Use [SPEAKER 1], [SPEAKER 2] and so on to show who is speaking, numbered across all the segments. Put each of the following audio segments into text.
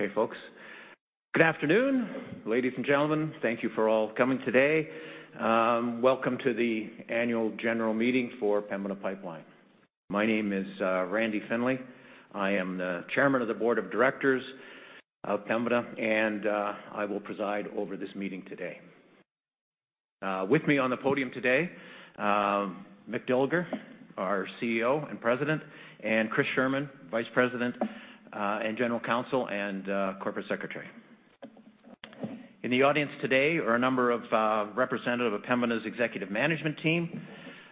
[SPEAKER 1] Okay, folks. Good afternoon, ladies and gentlemen. Thank you for all coming today. Welcome to the annual general meeting for Pembina Pipeline. My name is Randy Findlay. I am the Chairman of the Board of Directors of Pembina. I will preside over this meeting today. With me on the podium today, Mick Dilger, our Chief Executive Officer and President, Chris Sherman, Vice President and General Counsel and Corporate Secretary. In the audience today are a number of representatives of Pembina's executive management team,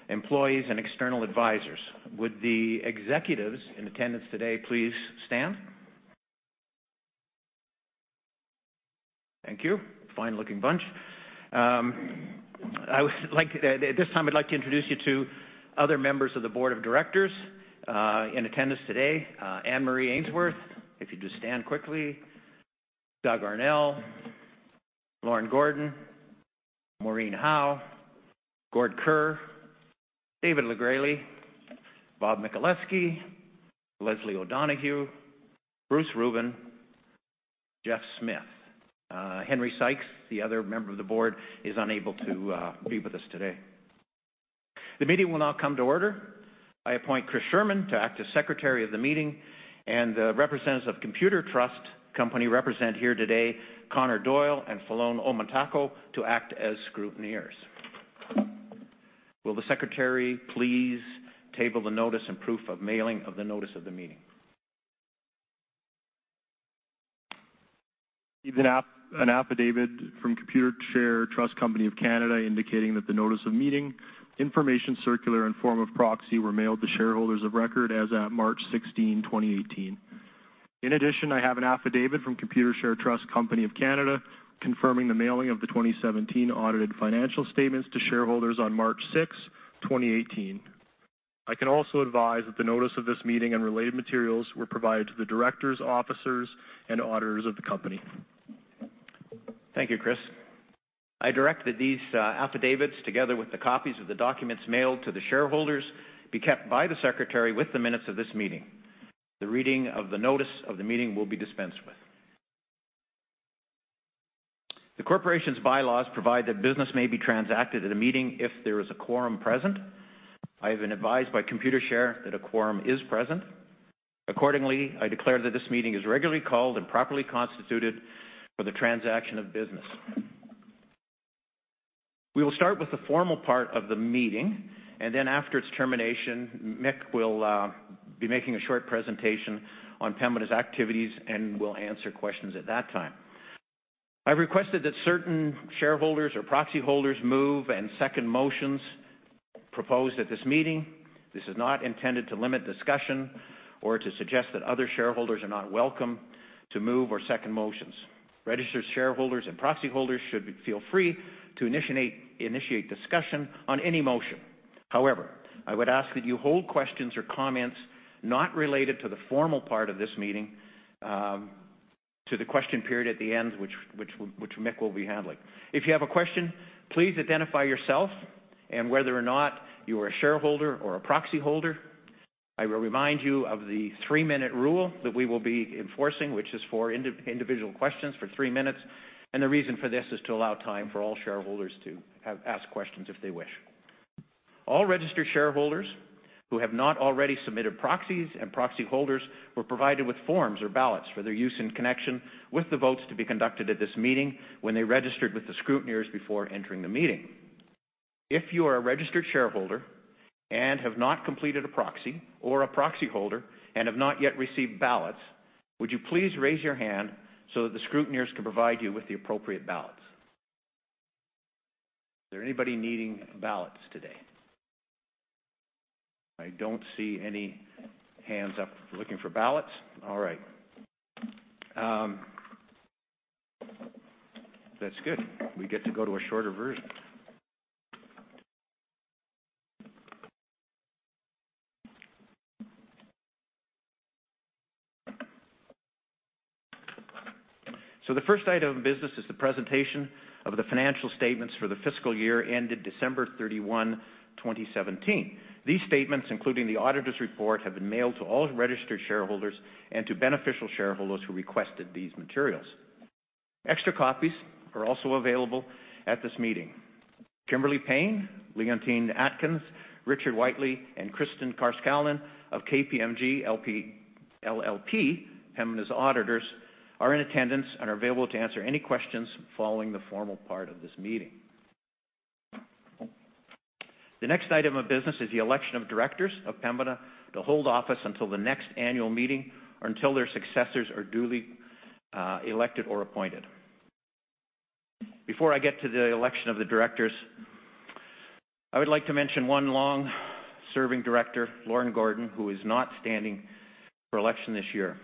[SPEAKER 1] employees, and external advisors. Would the executives in attendance today please stand? Thank you. Fine-looking bunch. At this time, I'd like to introduce you to other members of the Board of Directors in attendance today. Anne-Marie Ainsworth, if you'd just stand quickly. Doug Arnell, Gord Kerr, Maureen Howe, Gordon Kerr, David LeGresley, Bob Michaleski, Leslie O'Donoghue, Bruce Rubin, Jeff Smith. Henry Sykes, the other member of the Board, is unable to be with us today. The meeting will now come to order. I appoint Chris Sherman to act as Secretary of the meeting. The representatives of Computershare Trust Company represent here today, Connor Doyle and Falon Omotako, to act as scrutineers. Will the Secretary please table the notice and proof of mailing of the notice of the meeting?
[SPEAKER 2] An affidavit from Computershare Trust Company of Canada indicating that the notice of meeting, information circular, and form of proxy were mailed to shareholders of record as at March 16, 2018. In addition, I have an affidavit from Computershare Trust Company of Canada confirming the mailing of the 2017 audited financial statements to shareholders on March 6, 2018. I can also advise that the notice of this meeting and related materials were provided to the Directors, Officers, and Auditors of the company.
[SPEAKER 1] Thank you, Chris. I direct that these affidavits, together with the copies of the documents mailed to the shareholders, be kept by the Secretary with the minutes of this meeting. The reading of the notice of the meeting will be dispensed with. The Corporation's bylaws provide that business may be transacted at a meeting if there is a quorum present. I have been advised by Computershare that a quorum is present. Accordingly, I declare that this meeting is regularly called and properly constituted for the transaction of business. We will start with the formal part of the meeting. Then after its termination, Mick will be making a short presentation on Pembina's activities. We'll answer questions at that time. I've requested that certain shareholders or proxy holders move and second motions proposed at this meeting. This is not intended to limit discussion or to suggest that other shareholders are not welcome to move or second motions. Registered shareholders and proxy holders should feel free to initiate discussion on any motion. However, I would ask that you hold questions or comments not related to the formal part of this meeting to the question period at the end, which Mick will be handling. If you have a question, please identify yourself and whether or not you are a shareholder or a proxy holder. I will remind you of the three-minute rule that we will be enforcing, which is for individual questions for three minutes. The reason for this is to allow time for all shareholders to ask questions if they wish. All registered shareholders who have not already submitted proxies and proxy holders were provided with forms or ballots for their use in connection with the votes to be conducted at this meeting when they registered with the scrutineers before entering the meeting. If you are a registered shareholder and have not completed a proxy or a proxy holder and have not yet received ballots, would you please raise your hand so that the scrutineers can provide you with the appropriate ballots? Is there anybody needing ballots today? I don't see any hands up looking for ballots. All right. That's good. We get to go to a shorter version. The first item of business is the presentation of the financial statements for the fiscal year ended December 31, 2017. These statements, including the auditor's report, have been mailed to all registered shareholders and to beneficial shareholders who requested these materials. Extra copies are also available at this meeting. Kimberly Payne, Leontine Atkins, Richard Whiteley, and Kristy Carscallen of KPMG LLP, Keyera's auditors, are in attendance and are available to answer any questions following the formal part of this meeting. The next item of business is the election of directors of Keyera to hold office until the next annual meeting or until their successors are duly elected or appointed. Before I get to the election of the directors, I would like to mention one long-serving director, Lorne Gordon, who is not standing for election this year.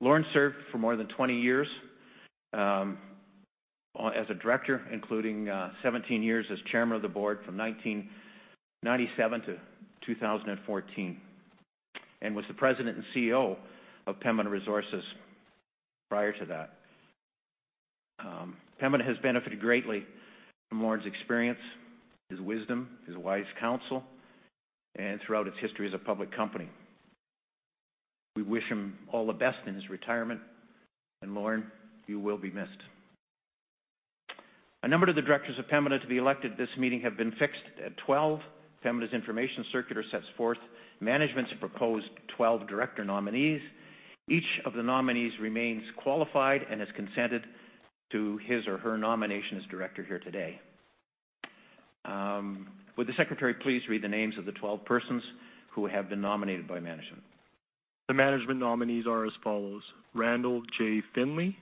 [SPEAKER 1] Lorne served for more than 20 years as a director, including 17 years as chairman of the board from 1997 to 2014, and was the president and CEO of Keyera prior to that. Keyera has benefited greatly from Lorne's experience, his wisdom, his wise counsel, and throughout its history as a public company. We wish him all the best in his retirement, Lorne, you will be missed. A number of the directors of Keyera to be elected this meeting have been fixed at 12. Pembina Pipeline's information circular sets forth management's proposed 12 director nominees. Each of the nominees remains qualified and has consented to his or her nomination as director here today. Would the secretary please read the names of the 12 persons who have been nominated by management?
[SPEAKER 2] The management nominees are as follows: Randall J. Findlay,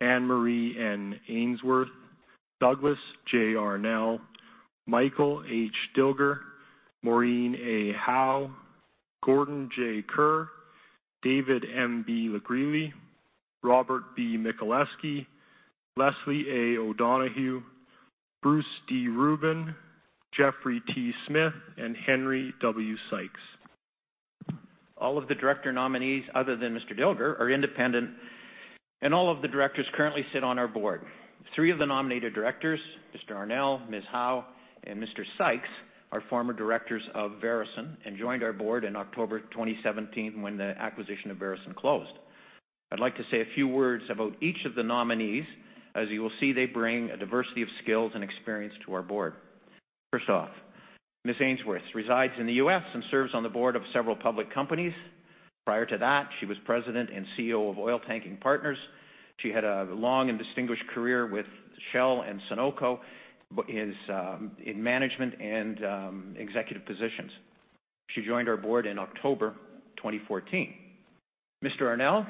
[SPEAKER 2] Anne-Marie N. Ainsworth, Douglas J. Arnell, Michael H. Dilger, Maureen E. Howe, Gordon J. Kerr, David M.B. LeGresley, Robert B. Michaleski, Leslie A. O'Donoghue, Bruce D. Rubin, Jeffrey T. Smith, and Henry W. Sykes.
[SPEAKER 1] All of the director nominees, other than Mr. Dilger, are independent, and all of the directors currently sit on our board. Three of the nominated directors, Mr. Arnell, Ms. Howe, and Mr. Sykes, are former directors of Veresen and joined our board in October 2017 when the acquisition of Veresen closed. I'd like to say a few words about each of the nominees. As you will see, they bring a diversity of skills and experience to our board. First off, Ms. Ainsworth resides in the U.S. and serves on the board of several public companies. Prior to that, she was President and CEO of Oiltanking Partners. She had a long and distinguished career with Shell and Sunoco in management and executive positions. She joined our board in October 2014. Mr. Arnell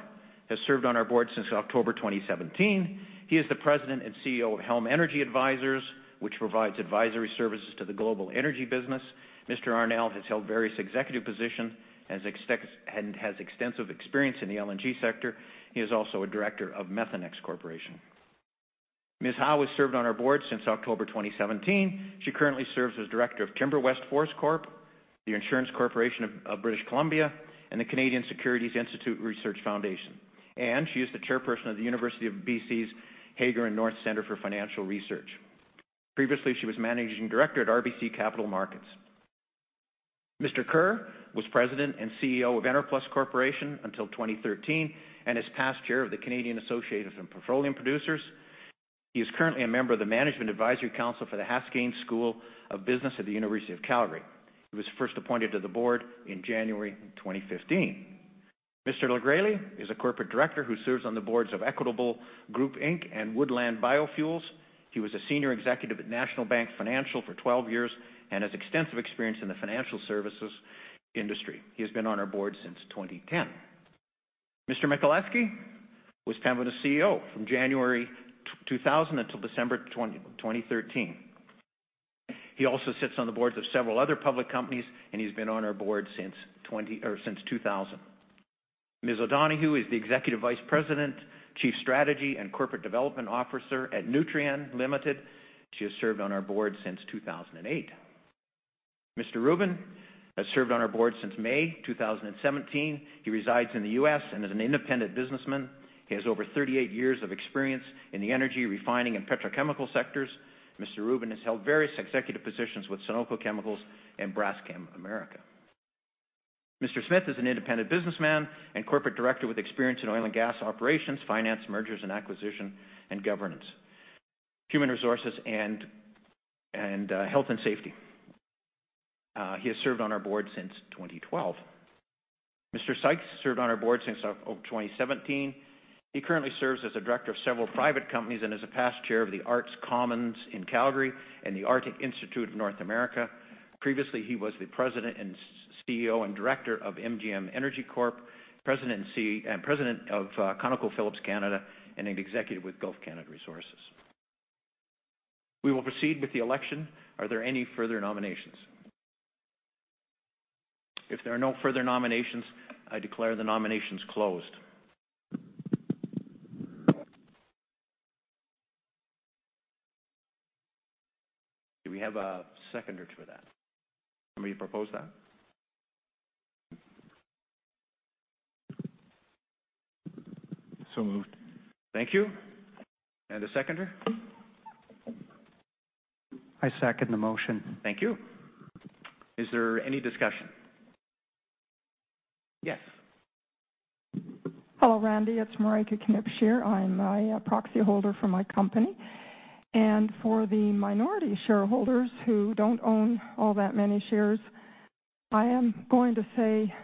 [SPEAKER 1] has served on our board since October 2017. He is the President and CEO of Helm Energy Advisors, which provides advisory services to the global energy business. Mr. Arnell has held various executive positions and has extensive experience in the LNG sector. He is also a Director of Methanex Corporation. Ms. Howe has served on our board since October 2017. She currently serves as Director of TimberWest Forest Corp., the Insurance Corporation of British Columbia, and the Canadian Securities Institute Research Foundation, and she is the Chairperson of the University of British Columbia's Phillips, Hager & North Centre for Financial Research. Previously, she was Managing Director at RBC Capital Markets. Mr. Kerr was President and CEO of Enerplus Corporation until 2013 and is past Chair of the Canadian Association of Petroleum Producers. He is currently a member of the Management Advisory Council for the Haskayne School of Business at the University of Calgary. He was first appointed to the board in January 2015. Mr. LeGresley is a corporate director who serves on the boards of EQB Inc. and Woodland Biofuels Inc. He was a senior executive at National Bank Financial for 12 years and has extensive experience in the financial services industry. He has been on our board since 2010. Mr. Michaleski was Pembina CEO from January 2000 until December 2013. He also sits on the boards of several other public companies, and he's been on our board since 2000. Ms. O'Donoghue is the Executive Vice President, Chief Strategy, and Corporate Development Officer at Nutrien Ltd. She has served on our board since 2008. Mr. Rubin has served on our board since May 2017. He resides in the U.S. and is an independent businessman. He has over 38 years of experience in the energy refining and petrochemical sectors. Mr. Rubin has held various executive positions with Sunoco Chemicals and Braskem America. Mr. Smith is an independent businessman and corporate director with experience in oil and gas operations, finance, mergers and acquisitions, and governance, human resources, and health and safety. He has served on our board since 2012. Mr. Sykes served on our board since October 2017. He currently serves as a director of several private companies and is a past chair of the Arts Commons in Calgary and the Arctic Institute of North America. Previously, he was the president and CEO and director of MGM Energy Corp, president of ConocoPhillips Canada, and an executive with Gulf Canada Resources. We will proceed with the election. Are there any further nominations? If there are no further nominations, I declare the nominations closed. Do we have a seconder to that? Somebody propose that?
[SPEAKER 2] Moved.
[SPEAKER 1] Thank you. The seconder?
[SPEAKER 3] I second the motion.
[SPEAKER 1] Thank you. Is there any discussion? Yes.
[SPEAKER 4] Hello, Randy. It's Marijke Knipfer. I'm a proxy holder for my company. For the minority shareholders who don't own all that many shares, I am going to say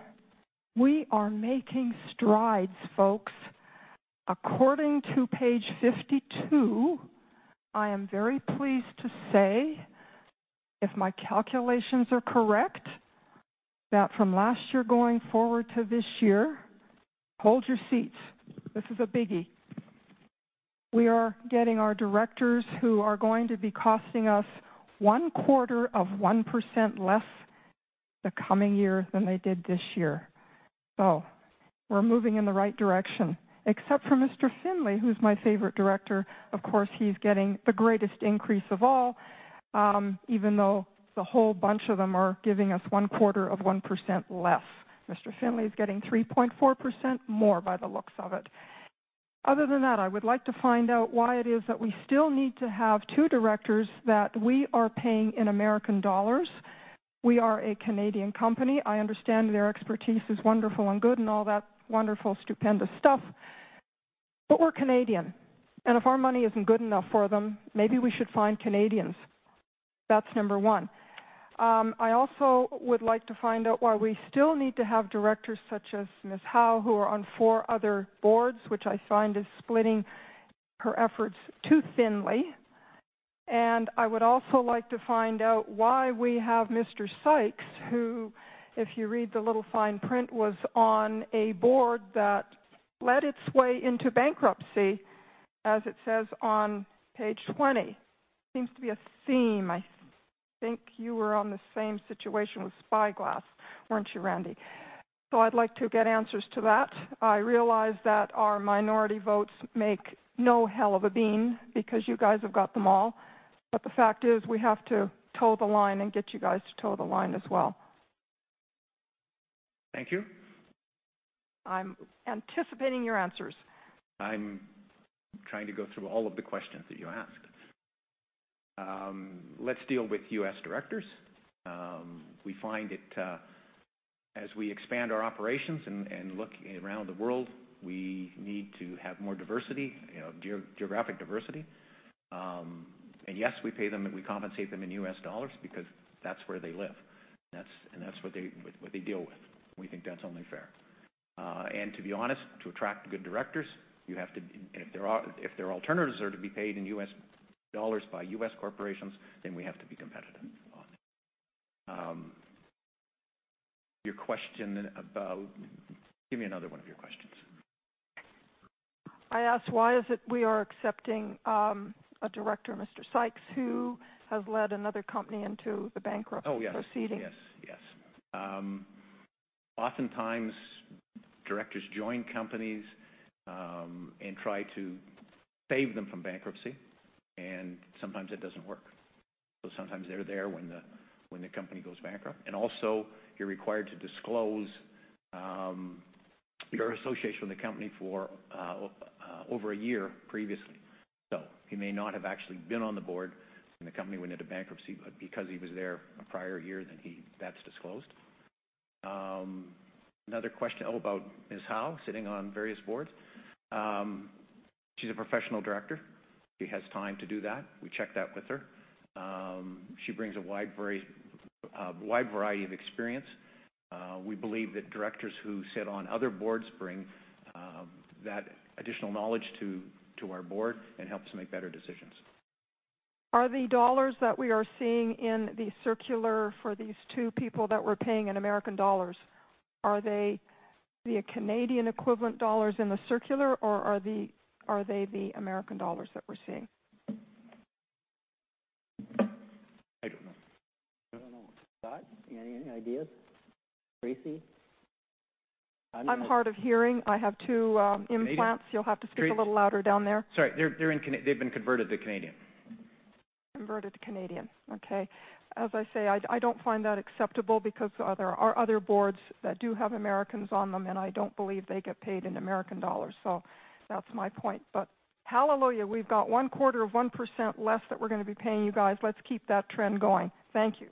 [SPEAKER 4] we are making strides, folks. According to page 52, I am very pleased to say, if my calculations are correct, that from last year going forward to this year, hold your seats. This is a biggie. We are getting our directors who are going to be costing us one-quarter of 1% less the coming year than they did this year. We're moving in the right direction. Except for Mr. Findlay, who's my favorite director, of course, he's getting the greatest increase of all. Even though the whole bunch of them are giving us one quarter of 1% less. Mr. Findlay is getting 3.4% more by the looks of it. Other than that, I would like to find out why it is that we still need to have two directors that we are paying in U.S. dollars. We are a Canadian company. I understand their expertise is wonderful and good and all that wonderful, stupendous stuff. We're Canadian, and if our money isn't good enough for them, maybe we should find Canadians. That's number one. I also would like to find out why we still need to have directors such as Ms. Howe, who are on four other boards, which I find is splitting her efforts too thinly. I would also like to find out why we have Mr. Sykes, who, if you read the little fine print, was on a board that led its way into bankruptcy, as it says on page 20. Seems to be a theme. I think you were on the same situation with Spyglass, weren't you, Randy? I'd like to get answers to that. I realize that our minority votes make no hell of a bean because you guys have got them all. The fact is, we have to toe the line and get you guys to toe the line as well.
[SPEAKER 1] Thank you.
[SPEAKER 4] I'm anticipating your answers.
[SPEAKER 1] I'm trying to go through all of the questions that you asked. Let's deal with U.S. directors. We find that as we expand our operations and look around the world, we need to have more geographic diversity. Yes, we compensate them in U.S. dollars because that's where they live and that's what they deal with. We think that's only fair. To be honest, to attract good directors, if their alternatives are to be paid in U.S. dollars by U.S. corporations, then we have to be competitive on that. Give me another one of your questions.
[SPEAKER 4] I asked why is it we are accepting a director, Mr. Sykes, who has led another company into the bankruptcy proceeding.
[SPEAKER 1] Oh, yes. Oftentimes, directors join companies and try to save them from bankruptcy, and sometimes it doesn't work. Sometimes they're there when the company goes bankrupt. You're required to disclose your association with the company for over a year previously. He may not have actually been on the board when the company went into bankruptcy, but because he was there a prior year, then that's disclosed. Another question about Ms. Howe sitting on various boards. She's a professional director. She has time to do that. We checked that with her. She brings a wide variety of experience. We believe that directors who sit on other boards bring that additional knowledge to our board and helps make better decisions.
[SPEAKER 4] Are the dollars that we are seeing in the circular for these two people that we're paying in U.S. dollars, are they the Canadian equivalent dollars in the circular, or are they the U.S. dollars that we're seeing?
[SPEAKER 1] I don't know. Scott, any ideas? Tracy?
[SPEAKER 4] I'm hard of hearing. I have two implants. You'll have to speak a little louder down there.
[SPEAKER 1] Sorry. They've been converted to Canadian.
[SPEAKER 4] Converted to Canadian. Okay. As I say, I don't find that acceptable because there are other boards that do have Americans on them, and I don't believe they get paid in American dollars. Hallelujah, we've got one quarter of 1% less that we're going to be paying you guys. Let's keep that trend going. Thank you.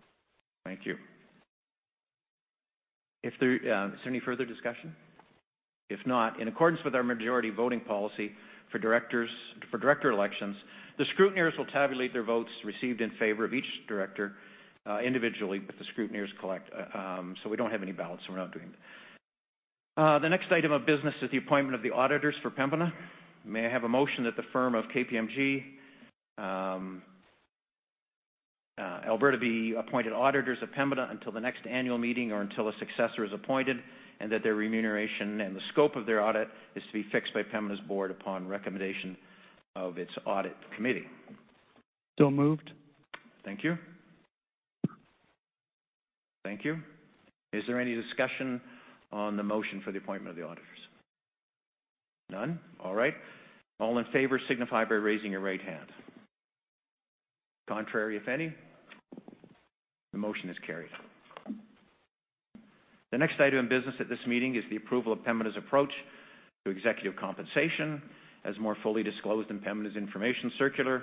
[SPEAKER 1] Thank you. Is there any further discussion? If not, in accordance with our majority voting policy for director elections, the scrutineers will tabulate their votes received in favor of each director individually, but the scrutineers collect. We don't have any ballots, so we're not doing that. The next item of business is the appointment of the auditors for Pembina. May I have a motion that the firm of KPMG Alberta be appointed auditors of Pembina until the next annual meeting or until a successor is appointed, and that their remuneration and the scope of their audit is to be fixed by Pembina's board upon recommendation of its audit committee?
[SPEAKER 2] Moved.
[SPEAKER 1] Thank you. Is there any discussion on the motion for the appointment of the auditors? None? All right. All in favor, signify by raising your right hand. Contrary, if any. The motion is carried. The next item of business at this meeting is the approval of Pembina's approach to executive compensation, as more fully disclosed in Pembina's information circular.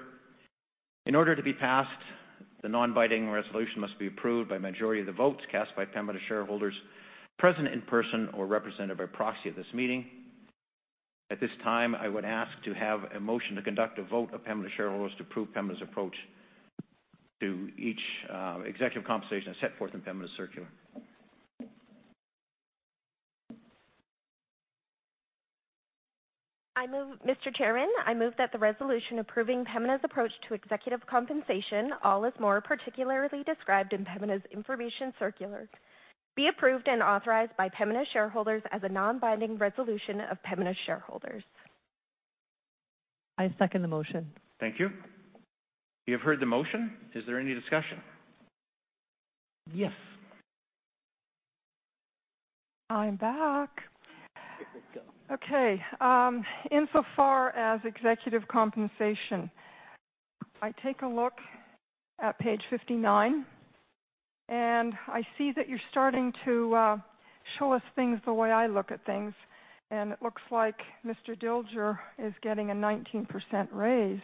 [SPEAKER 1] In order to be passed, the non-binding resolution must be approved by a majority of the votes cast by Pembina shareholders present in person or represented by proxy at this meeting. At this time, I would ask to have a motion to conduct a vote of Pembina shareholders to approve Pembina's approach to each executive compensation as set forth in Pembina's circular.
[SPEAKER 5] Mr. Chairman, I move that the resolution approving Pembina's approach to executive compensation, all as more particularly described in Pembina's information circular, be approved and authorized by Pembina shareholders as a non-binding resolution of Pembina shareholders.
[SPEAKER 4] I second the motion.
[SPEAKER 1] Thank you. You have heard the motion. Is there any discussion?
[SPEAKER 2] Yes.
[SPEAKER 4] I'm back.
[SPEAKER 1] There you go.
[SPEAKER 4] Okay. Insofar as executive compensation, I take a look at page 59. I see that you're starting to show us things the way I look at things. It looks like Mr. Dilger is getting a 19% raise.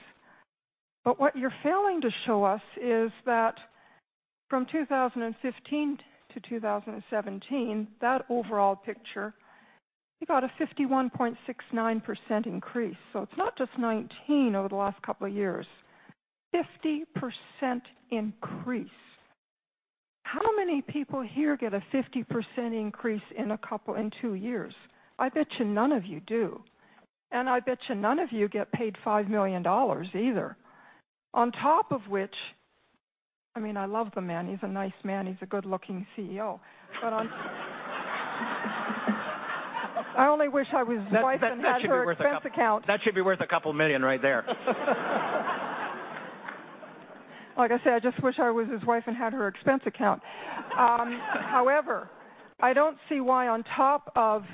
[SPEAKER 4] What you're failing to show us is that from 2015 to 2017, that overall picture, he got a 51.69% increase. It's not just 19 over the last couple of years, 50% increase. How many people here get a 50% increase in two years? I bet you none of you do. I bet you none of you get paid 5 million dollars either. On top of which, I love the man. He's a nice man. He's a good-looking CEO. I only wish I was his wife and had her expense account.
[SPEAKER 1] That should be worth a couple million right there.
[SPEAKER 4] Like I said, I just wish I was his wife and had her expense account. However, I don't see why on top of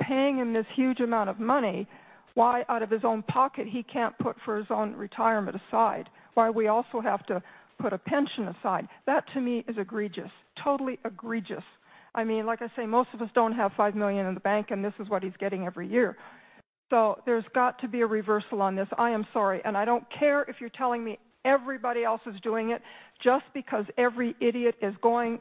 [SPEAKER 4] paying him this huge amount of money, why out of his own pocket, he can't put for his own retirement aside, why we also have to put a pension aside. That to me is egregious. Totally egregious. Like I say, most of us don't have 5 million in the bank, and this is what he's getting every year. There's got to be a reversal on this. I am sorry. I don't care if you're telling me everybody else is doing it. Just because every idiot is going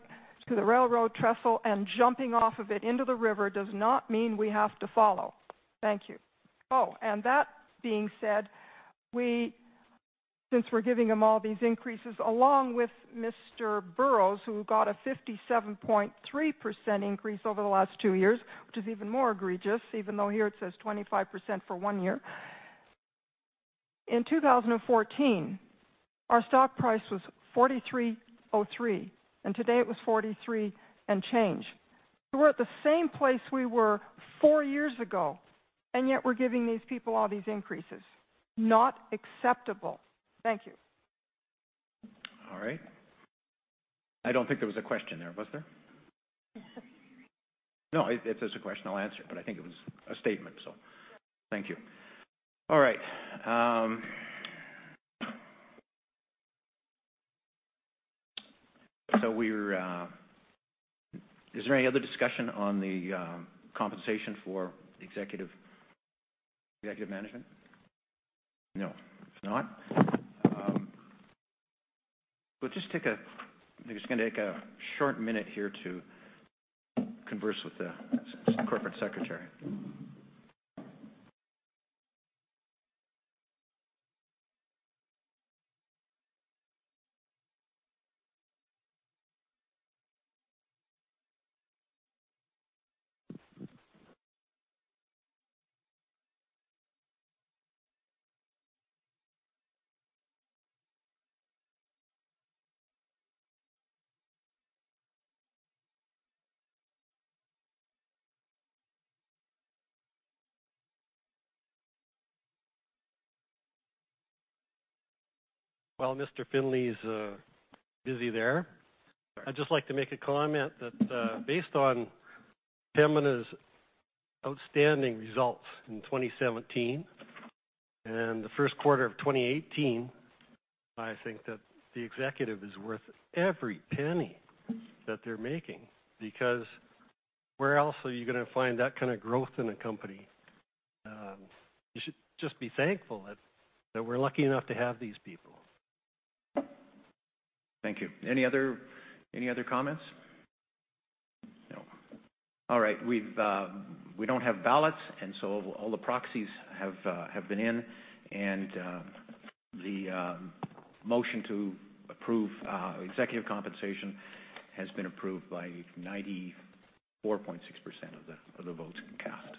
[SPEAKER 4] to the railroad trestle and jumping off of it into the river does not mean we have to follow. Thank you. That being said, since we're giving them all these increases, along with Mr. Burrows, who got a 57.3% increase over the last two years, which is even more egregious, even though here it says 25% for one year. In 2014, our stock price was 43.03, and today it was 43 and change. We're at the same place we were four years ago, and yet we're giving these people all these increases. Not acceptable. Thank you.
[SPEAKER 1] All right. I don't think there was a question there, was there? No, if there's a question, I'll answer it, but I think it was a statement, thank you. All right. Is there any other discussion on the compensation for executive management? No, there's not. We're just going to take a short minute here to converse with the corporate secretary.
[SPEAKER 6] While Mr. Findlay's busy there, I'd just like to make a comment that based on Pembina's outstanding results in 2017 and the first quarter of 2018, I think that the executive is worth every penny that they're making, because where else are you going to find that kind of growth in a company? You should just be thankful that we're lucky enough to have these people.
[SPEAKER 1] Thank you. Any other comments? No. All right. We don't have ballots, all the proxies have been in, and the motion to approve executive compensation has been approved by 94.6% of the votes cast.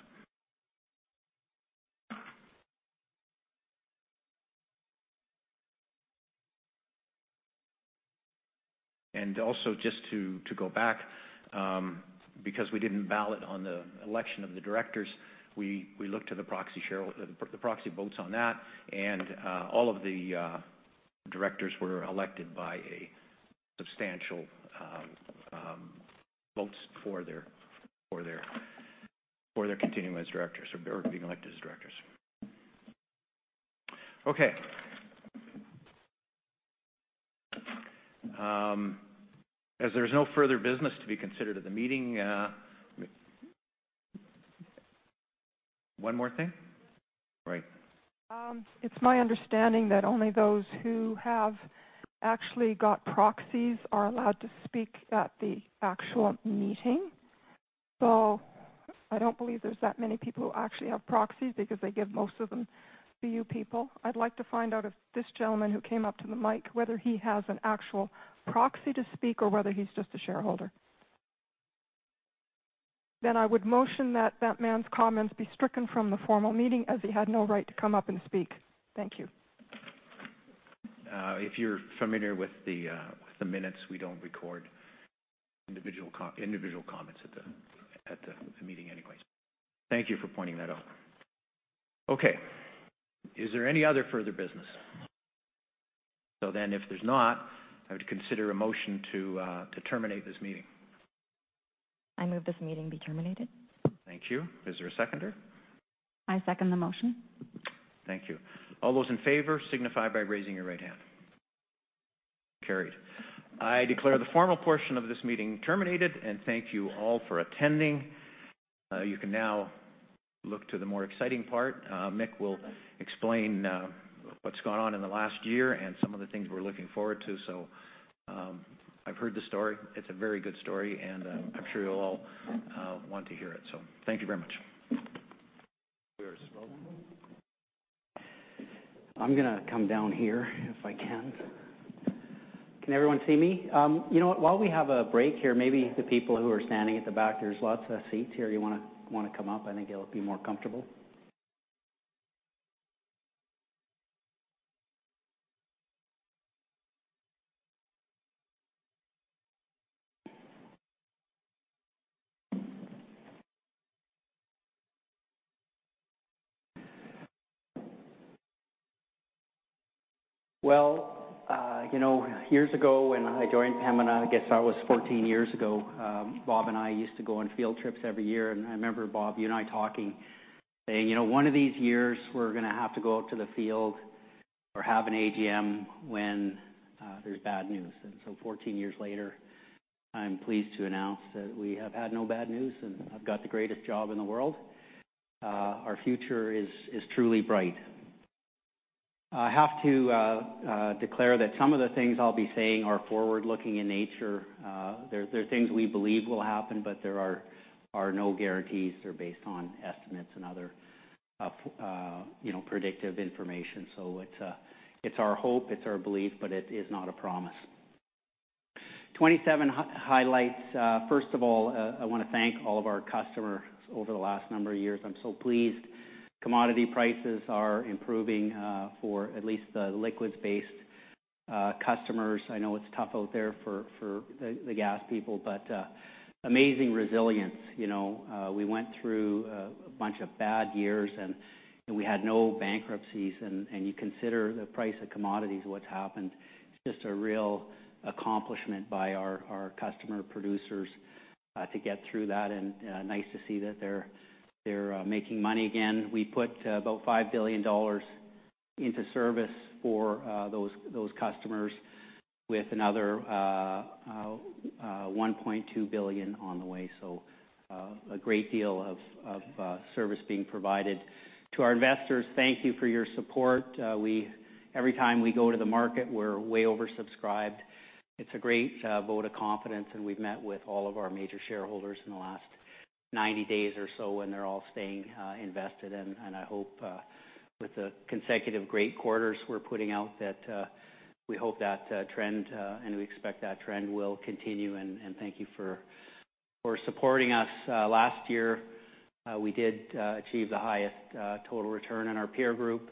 [SPEAKER 1] Just to go back, because we didn't ballot on the election of the directors, we looked to the proxy votes on that, and all of the directors were elected by a substantial votes for their continuing as directors or being elected as directors. Okay. As there's no further business to be considered at the meeting. One more thing? All right.
[SPEAKER 4] It's my understanding that only those who have actually got proxies are allowed to speak at the actual meeting. I don't believe there's that many people who actually have proxies because they give most of them to you people. I'd like to find out if this gentleman who came up to the mic, whether he has an actual proxy to speak or whether he's just a shareholder. I would motion that that man's comments be stricken from the formal meeting as he had no right to come up and speak. Thank you.
[SPEAKER 1] If you're familiar with the minutes, we don't record individual comments at the meeting anyways. Thank you for pointing that out. Okay. Is there any other further business?
[SPEAKER 7] If there's not, I would consider a motion to terminate this meeting.
[SPEAKER 5] I move this meeting be terminated.
[SPEAKER 7] Thank you. Is there a seconder?
[SPEAKER 2] I second the motion.
[SPEAKER 7] Thank you. All those in favor signify by raising your right hand. Carried. I declare the formal portion of this meeting terminated, and thank you all for attending. You can now look to the more exciting part. Mick will explain what's gone on in the last year and some of the things we're looking forward to. I've heard the story, it's a very good story, and I'm sure you'll all want to hear it. Thank you very much. We are smoking. I'm going to come down here if I can. Can everyone see me? You know what, while we have a break here, maybe the people who are standing at the back, there's lots of seats here. You want to come up? I think it'll be more comfortable. Well, years ago when I joined Pembina, I guess that was 14 years ago, Bob and I used to go on field trips every year. I remember, Bob, you and I talking saying, "One of these years, we're going to have to go out to the field or have an AGM when there's bad news." 14 years later, I'm pleased to announce that we have had no bad news, and I've got the greatest job in the world. Our future is truly bright. I have to declare that some of the things I'll be saying are forward-looking in nature. They're things we believe will happen, but there are no guarantees. They're based on estimates and other predictive information. It's our hope, it's our belief, but it is not a promise. 27 highlights. First of all, I want to thank all of our customers over the last number of years. I'm so pleased commodity prices are improving for at least the liquids-based customers. I know it's tough out there for the gas people but amazing resilience. We went through a bunch of bad years, we had no bankruptcies. You consider the price of commodities, what's happened, it's just a real accomplishment by our customer producers to get through that, and nice to see that they're making money again. We put about 5 billion dollars into service for those customers with another 1.2 billion on the way. A great deal of service being provided. To our investors, thank you for your support. Every time we go to the market, we're way oversubscribed. It's a great vote of confidence, we've met with all of our major shareholders in the last 90 days or so, they're all staying invested. I hope with the consecutive great quarters we're putting out that we hope that trend, we expect that trend will continue, thank you for supporting us. Last year, we did achieve the highest total return in our peer group,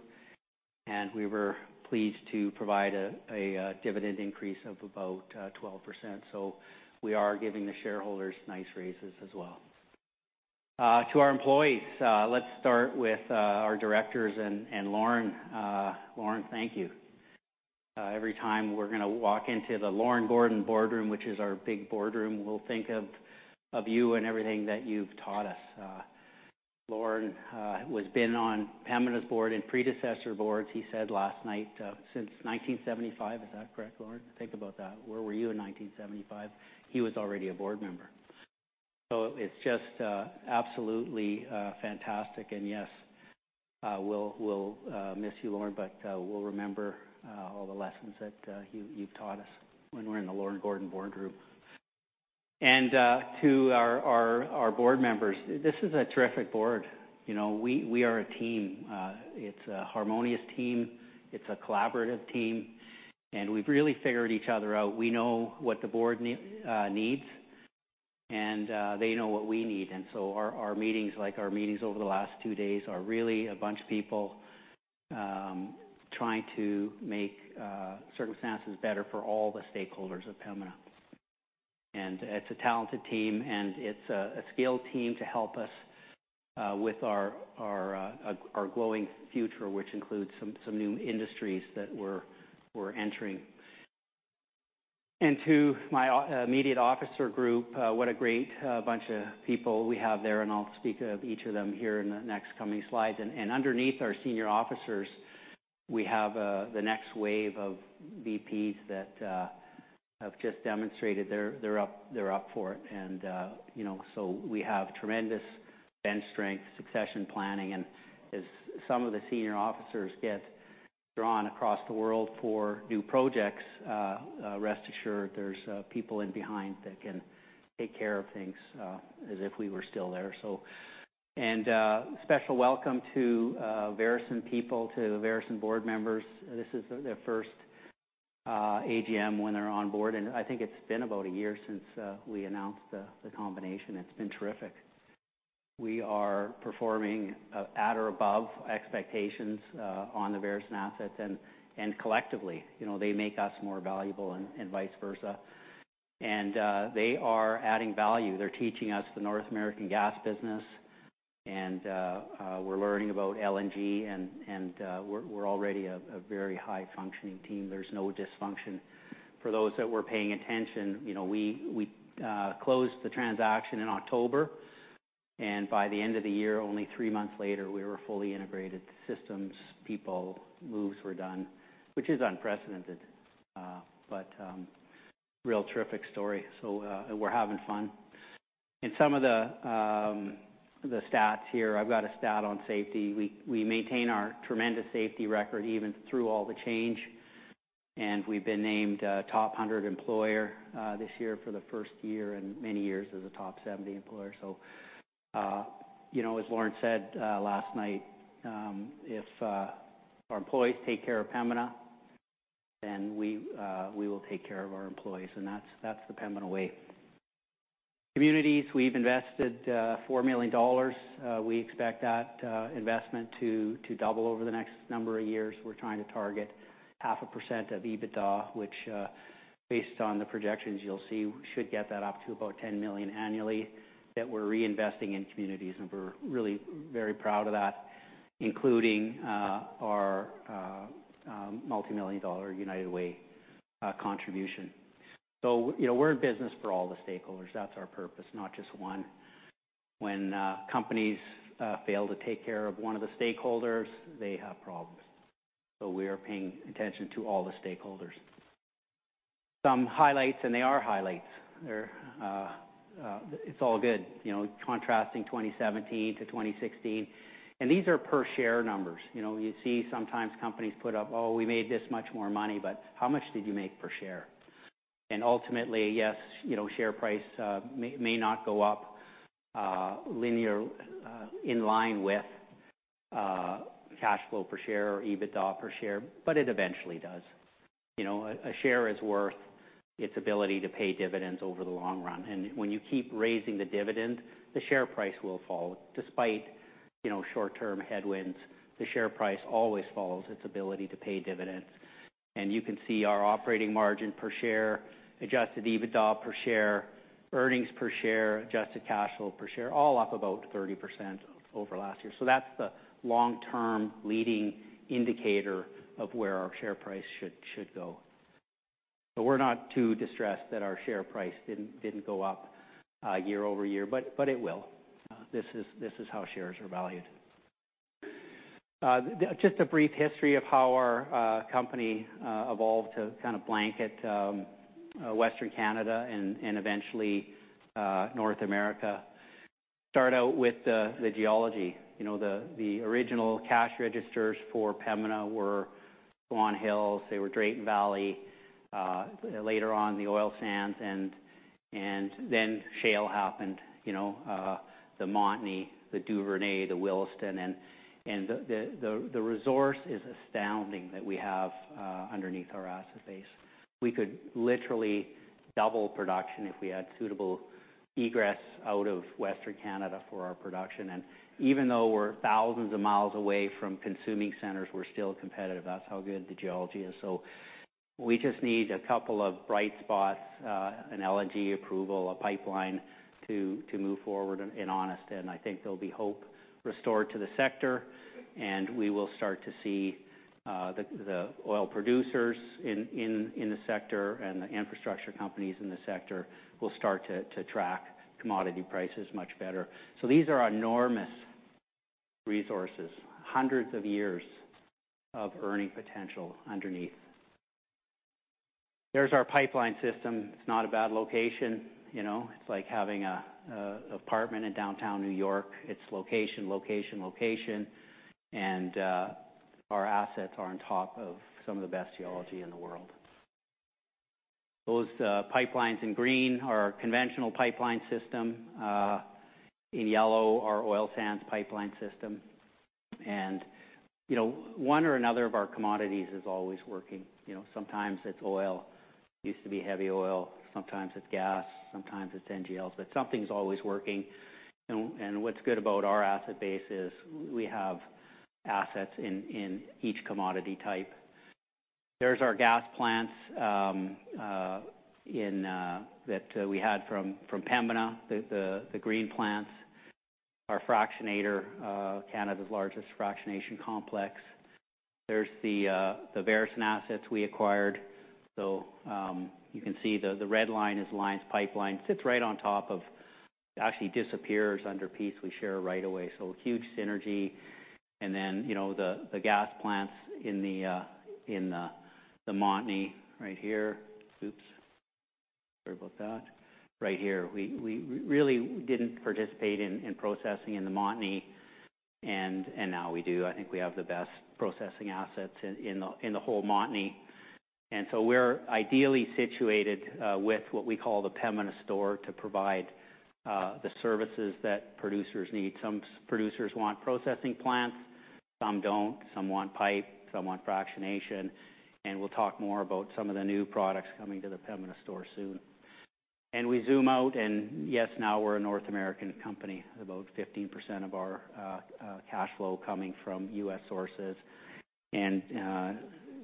[SPEAKER 7] we were pleased to provide a dividend increase of about 12%. We are giving the shareholders nice raises as well. To our employees, let's start with our directors and Lorne. Lorne, thank you. Every time we're going to walk into the Lorne Gordon boardroom, which is our big boardroom, we'll think of you and everything that you've taught us. Lorne has been on Pembina's board and predecessor boards, he said last night, since 1975. Is that correct, Lorne? Think about that. Where were you in 1975? He was already a board member. It's just absolutely fantastic. Yes, we'll miss you, Lorne, but we'll remember all the lessons that you've taught us when we're in the Lorne Gordon boardroom. To our board members, this is a terrific board. We are a team. It's a harmonious team, it's a collaborative team, we've really figured each other out. We know what the board needs, they know what we need. Our meetings, like our meetings over the last two days, are really a bunch of people trying to make circumstances better for all the stakeholders of Pembina. It's a talented team, it's a skilled team to help us with our glowing future, which includes some new industries that we're entering. To my immediate officer group, what a great bunch of people we have there, I'll speak of each of them here in the next coming slides. Underneath our senior officers, we have the next wave of VPs that have just demonstrated they're up for it. We have tremendous bench strength, succession planning, as some of the senior officers get drawn across the world for new projects, rest assured there's people in behind that can take care of things as if we were still there. A special welcome to Veresen people, to Veresen board members. This is their first AGM when they're on board, I think it's been about a year since we announced the combination. It's been terrific. We are performing at or above expectations on the Veresen assets and collectively. They make us more valuable and vice versa. They are adding value. They're teaching us the North American gas business. We're learning about LNG, we're already a very high-functioning team. There's no dysfunction. For those that were paying attention, we closed the transaction in October, by the end of the year, only three months later, we were fully integrated. Systems, people, moves were done, which is unprecedented. Real terrific story. We're having fun. Some of the stats here, I've got a stat on safety. We maintain our tremendous safety record even through all the change, we've been named a Top 100 Employer this year for the first year in many years as a Top 70 Employer. As Lorne said last night, if our employees take care of Pembina, then we will take care of our employees, that's the Pembina way. Communities, we've invested 4 million dollars. We expect that investment to double over the next number of years. We're trying to target half a percent of EBITDA, which, based on the projections you'll see, should get that up to about 10 million annually that we're reinvesting in communities. We're really very proud of that, including our multimillion-dollar United Way contribution. We're in business for all the stakeholders. That's our purpose, not just one. When companies fail to take care of one of the stakeholders, they have problems. We are paying attention to all the stakeholders. Some highlights, they are highlights. It's all good, contrasting 2017 to 2016, these are per-share numbers. You see sometimes companies put up, "Oh, we made this much more money," but how much did you make per share? Ultimately, yes, share price may not go up linear, in line with cash flow per share or EBITDA per share, it eventually does. A share is worth its ability to pay dividends over the long run. When you keep raising the dividend, the share price will follow. Despite short-term headwinds, the share price always follows its ability to pay dividends. You can see our operating margin per share, adjusted EBITDA per share, earnings per share, adjusted cash flow per share, all up about 30% over last year. That's the long-term leading indicator of where our share price should go. We're not too distressed that our share price didn't go up year-over-year, it will. This is how shares are valued. Just a brief history of how our company evolved to blanket Western Canada and eventually North America. Start out with the geology. The original cash registers for Pembina were Swan Hills, they were Drayton Valley. Later on, the oil sands, then shale happened. The Montney, the Duvernay, the Williston. The resource is astounding that we have underneath our asset base. We could literally double production if we had suitable egress out of Western Canada for our production. Even though we're thousands of miles away from consuming centers, we're still competitive. That's how good the geology is. We just need a couple of bright spots, an LNG approval, a pipeline to move forward in [Honest], and I think there'll be hope restored to the sector, and we will start to see the oil producers in the sector and the infrastructure companies in the sector will start to track commodity prices much better. These are enormous resources, hundreds of years of earning potential underneath. There's our pipeline system. It's not a bad location. It's like having an apartment in downtown New York. It's location, location. Our assets are on top of some of the best geology in the world. Those pipelines in green are our conventional pipeline system. In yellow, our oil sands pipeline system. One or another of our commodities is always working. Sometimes it's oil. Used to be heavy oil. Sometimes it's gas, sometimes it's NGLs, but something's always working. What's good about our asset base is we have assets in each commodity type. There's our gas plants that we had from Pembina, the green plants. Our fractionator, Canada's largest fractionation complex. There's the Veresen assets we acquired. You can see the red line is Alliance Pipeline. Sits right on top of. Actually disappears under Peace. We share a right of way. Huge synergy. The gas plants in the Montney right here. Oops. Sorry about that. Right here. We really didn't participate in processing in the Montney, and now we do. I think we have the best processing assets in the whole Montney. We're ideally situated with what we call the Pembina store to provide the services that producers need. Some producers want processing plants, some don't. Some want pipe, some want fractionation. We'll talk more about some of the new products coming to the Pembina store soon. We zoom out and, yes, now we're a North American company, about 15% of our cash flow coming from U.S. sources.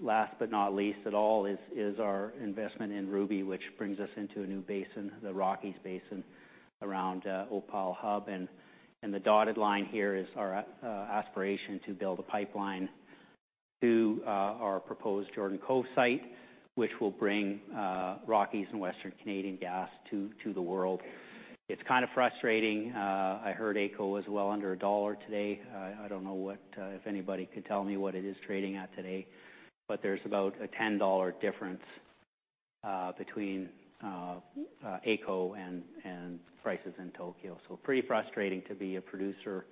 [SPEAKER 7] Last but not least at all is our investment in Ruby, which brings us into a new basin, the Rockies basin around Opal Hub. The dotted line here is our aspiration to build a pipeline to our proposed Jordan Cove site, which will bring Rockies and Western Canadian gas to the world. It's kind of frustrating. I heard AECO was well under CAD 1 today. I don't know if anybody could tell me what it is trading at today, but there's about a 10 dollar difference between AECO and prices in Tokyo. Pretty frustrating to be a producer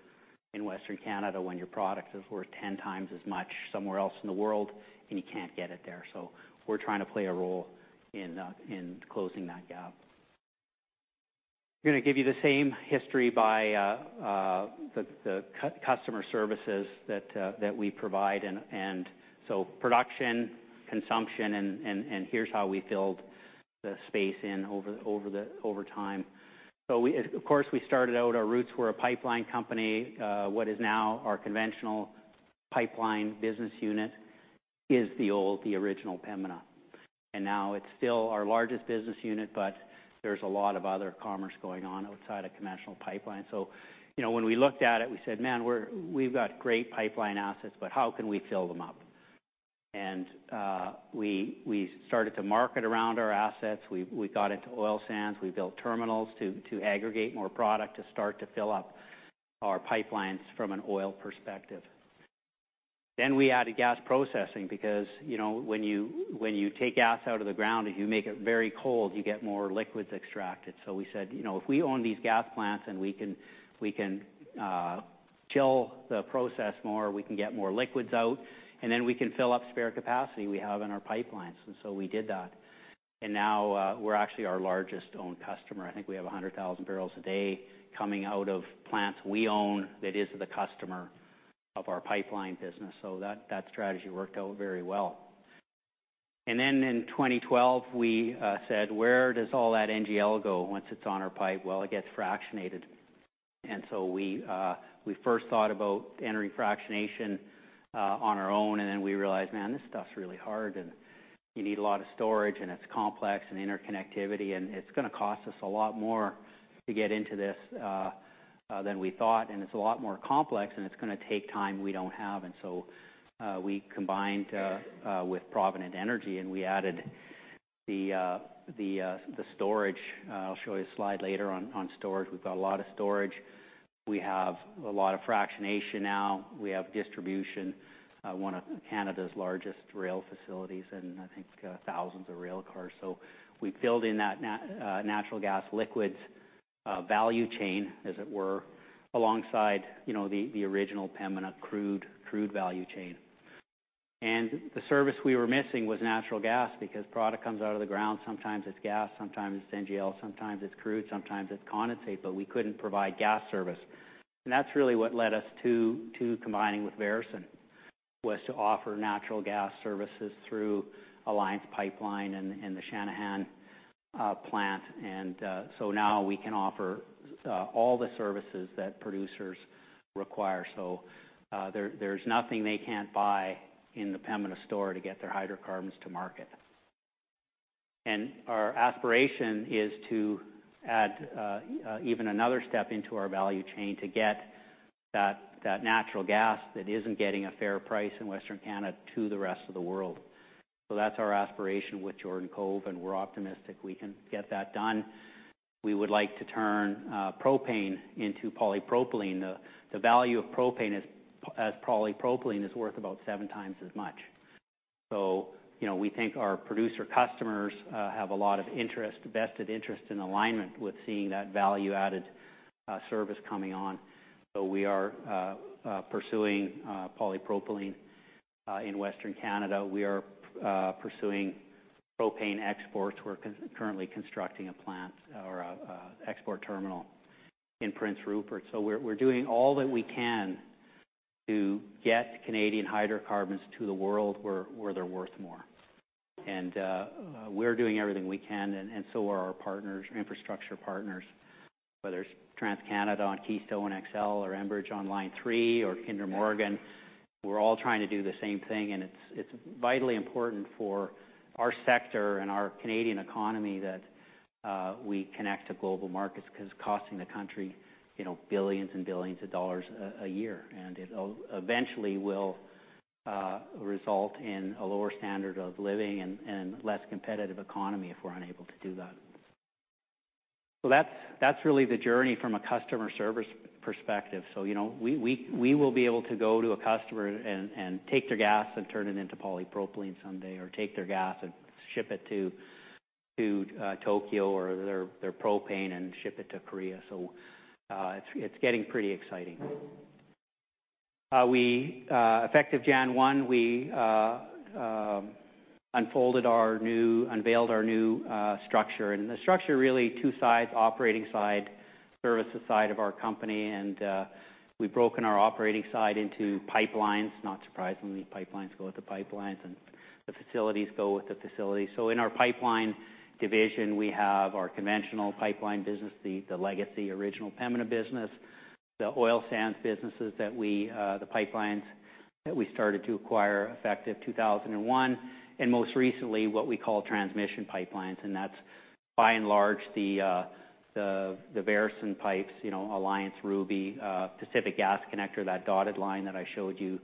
[SPEAKER 7] in Western Canada when your product is worth 10 times as much somewhere else in the world, and you can't get it there. We're trying to play a role in closing that gap. I'm going to give you the same history by the customer services that we provide. Production, consumption, and here's how we filled the space in over time. Of course, we started out, our roots were a pipeline company. What is now our conventional pipeline business unit is the original Pembina. Now it's still our largest business unit, but there's a lot of other commerce going on outside of conventional pipeline. When we looked at it, we said, "Man, we've got great pipeline assets, but how can we fill them up?" We started to market around our assets. We got into oil sands. We built terminals to aggregate more product to start to fill up our pipelines from an oil perspective. We added gas processing because when you take gas out of the ground, if you make it very cold, you get more liquids extracted. We said, "If we own these gas plants and we can chill the process more, we can get more liquids out, and then we can fill up spare capacity we have in our pipelines." We did that. Now we're actually our largest owned customer. I think we have 100,000 barrels a day coming out of plants we own that is the customer of our pipeline business. That strategy worked out very well. In 2012, we said, "Where does all that NGL go once it's on our pipe?" Well, it gets fractionated. We first thought about entering fractionation on our own, we realized, man, this stuff's really hard, and you need a lot of storage, and it's complex and interconnectivity, and it's going to cost us a lot more to get into this than we thought, and it's a lot more complex, and it's going to take time we don't have. We combined with Provident Energy, and we added the storage. I'll show you a slide later on storage. We've got a lot of storage. We have a lot of fractionation now. We have distribution, one of Canada's largest rail facilities, and I think thousands of rail cars. We filled in that natural gas liquids value chain, as it were, alongside the original Pembina crude value chain. The service we were missing was natural gas because product comes out of the ground, sometimes it's gas, sometimes it's NGL, sometimes it's crude, sometimes it's condensate, but we couldn't provide gas service. That's really what led us to combining with Veresen, was to offer natural gas services through Alliance Pipeline and the Channahon plant. Now we can offer all the services that producers require. There's nothing they can't buy in the Pembina store to get their hydrocarbons to market. Our aspiration is to add even another step into our value chain to get that natural gas that isn't getting a fair price in Western Canada to the rest of the world. That's our aspiration with Jordan Cove, and we're optimistic we can get that done. We would like to turn propane into polypropylene. The value of propane as polypropylene is worth about seven times as much. We think our producer customers have a lot of vested interest and alignment with seeing that value-added service coming on. We are pursuing polypropylene in Western Canada. We are pursuing propane exports. We're currently constructing a plant or export terminal in Prince Rupert. We're doing all that we can to get Canadian hydrocarbons to the world where they're worth more. We're doing everything we can, and so are our partners, infrastructure partners, whether it's TransCanada on Keystone XL or Enbridge on Line 3 or Kinder Morgan. We're all trying to do the same thing, and it's vitally important for our sector and our Canadian economy that we connect to global markets because it's costing the country billions and billions of CAD a year. It eventually will result in a lower standard of living and less competitive economy if we're unable to do that. That's really the journey from a customer service perspective. We will be able to go to a customer and take their gas and turn it into polypropylene someday, or take their gas and ship it to Tokyo or their propane and ship it to Korea. It's getting pretty exciting. Effective January 1, we unveiled our new structure. The structure really two sides, operating side, services side of our company. We've broken our operating side into pipelines, not surprisingly, pipelines go with the pipelines. The facilities go with the facility. In our pipeline division, we have our conventional pipeline business, the legacy original Pembina business, the oil sands businesses, the pipelines that we started to acquire effective 2001, and most recently, what we call transmission pipelines. That's by and large the Veresen pipes, Alliance Ruby, Pacific Connector Gas Pipeline, that dotted line that I showed you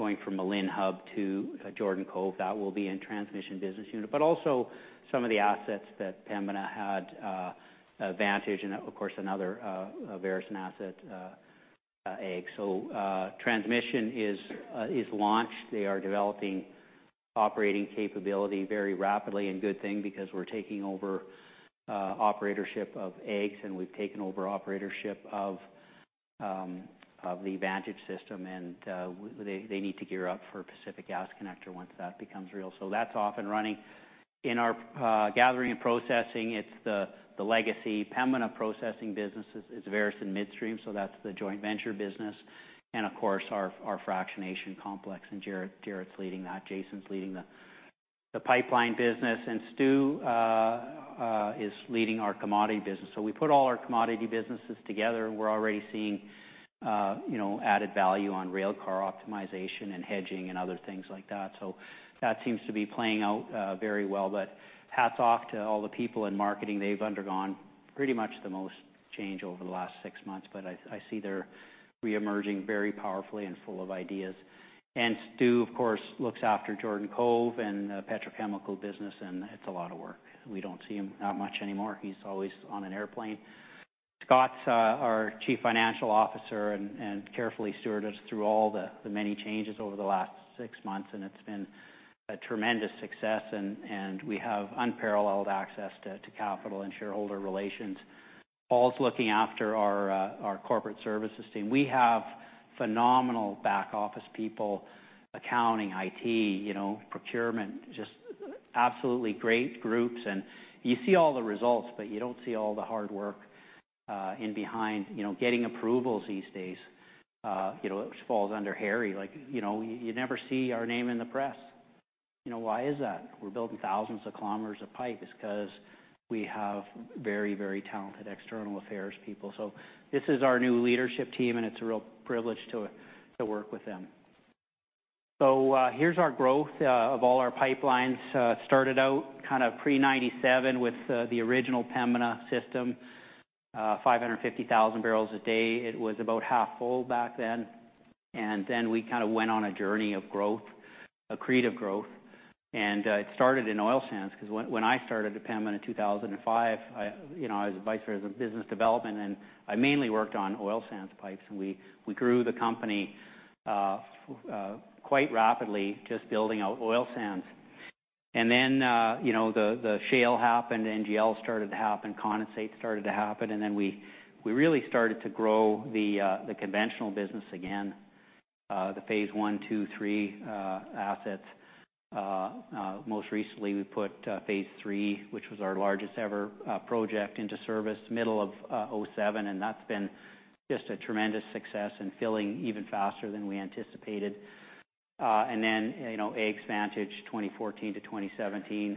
[SPEAKER 7] going from Malin Hub to Jordan Cove, that will be in transmission business unit. But also some of the assets that Pembina had, Vantage and of course, another Veresen asset, AEGS. Transmission is launched. They are developing operating capability very rapidly. Good thing, because we're taking over operatorship of AEGS, and we've taken over operatorship of the Vantage system, and they need to gear up for Pacific Connector Gas Pipeline once that becomes real. That's off and running. In our gathering and processing, it's the legacy Pembina processing businesses. It's Veresen Midstream, that's the joint venture business, and of course, our fractionation complex. Jarrod's leading that. Jason's leading the pipeline business, and Stu is leading our commodity business. We put all our commodity businesses together, and we're already seeing added value on railcar optimization and hedging and other things like that. That seems to be playing out very well. Hats off to all the people in marketing. They've undergone pretty much the most change over the last six months, but I see they're reemerging very powerfully and full of ideas. Stu, of course, looks after Jordan Cove and petrochemical business. It's a lot of work. We don't see him out much anymore. He's always on an airplane. Steven's our Chief Financial Officer and carefully stewarded us through all the many changes over the last six months. It's been a tremendous success, and we have unparalleled access to capital and shareholder relations. Paul's looking after our corporate services team. We have phenomenal back office people, accounting, IT, procurement, just absolutely great groups. You see all the results, but you don't see all the hard work in behind getting approvals these days which falls under Harry. You never see our name in the press. Why is that? We're building thousands of km of pipes because we have very talented external affairs people. This is our new leadership team, and it's a real privilege to work with them. Here's our growth of all our pipelines. Started out pre-1997 with the original Pembina system, 550,000 barrels a day. It was about half full back then. We went on a journey of growth, accretive growth. It started in oil sands, because when I started at Pembina in 2005, I was Vice President of Business Development, and I mainly worked on oil sands pipes. We grew the company quite rapidly just building out oil sands. The shale happened, NGL started to happen, condensate started to happen. We really started to grow the conventional business again, the Phase One, Two, Three assets. Most recently, we put Phase Three, which was our largest ever project into service middle of 2007, and that's been just a tremendous success and filling even faster than we anticipated. AEGS, Vantage 2014-2017.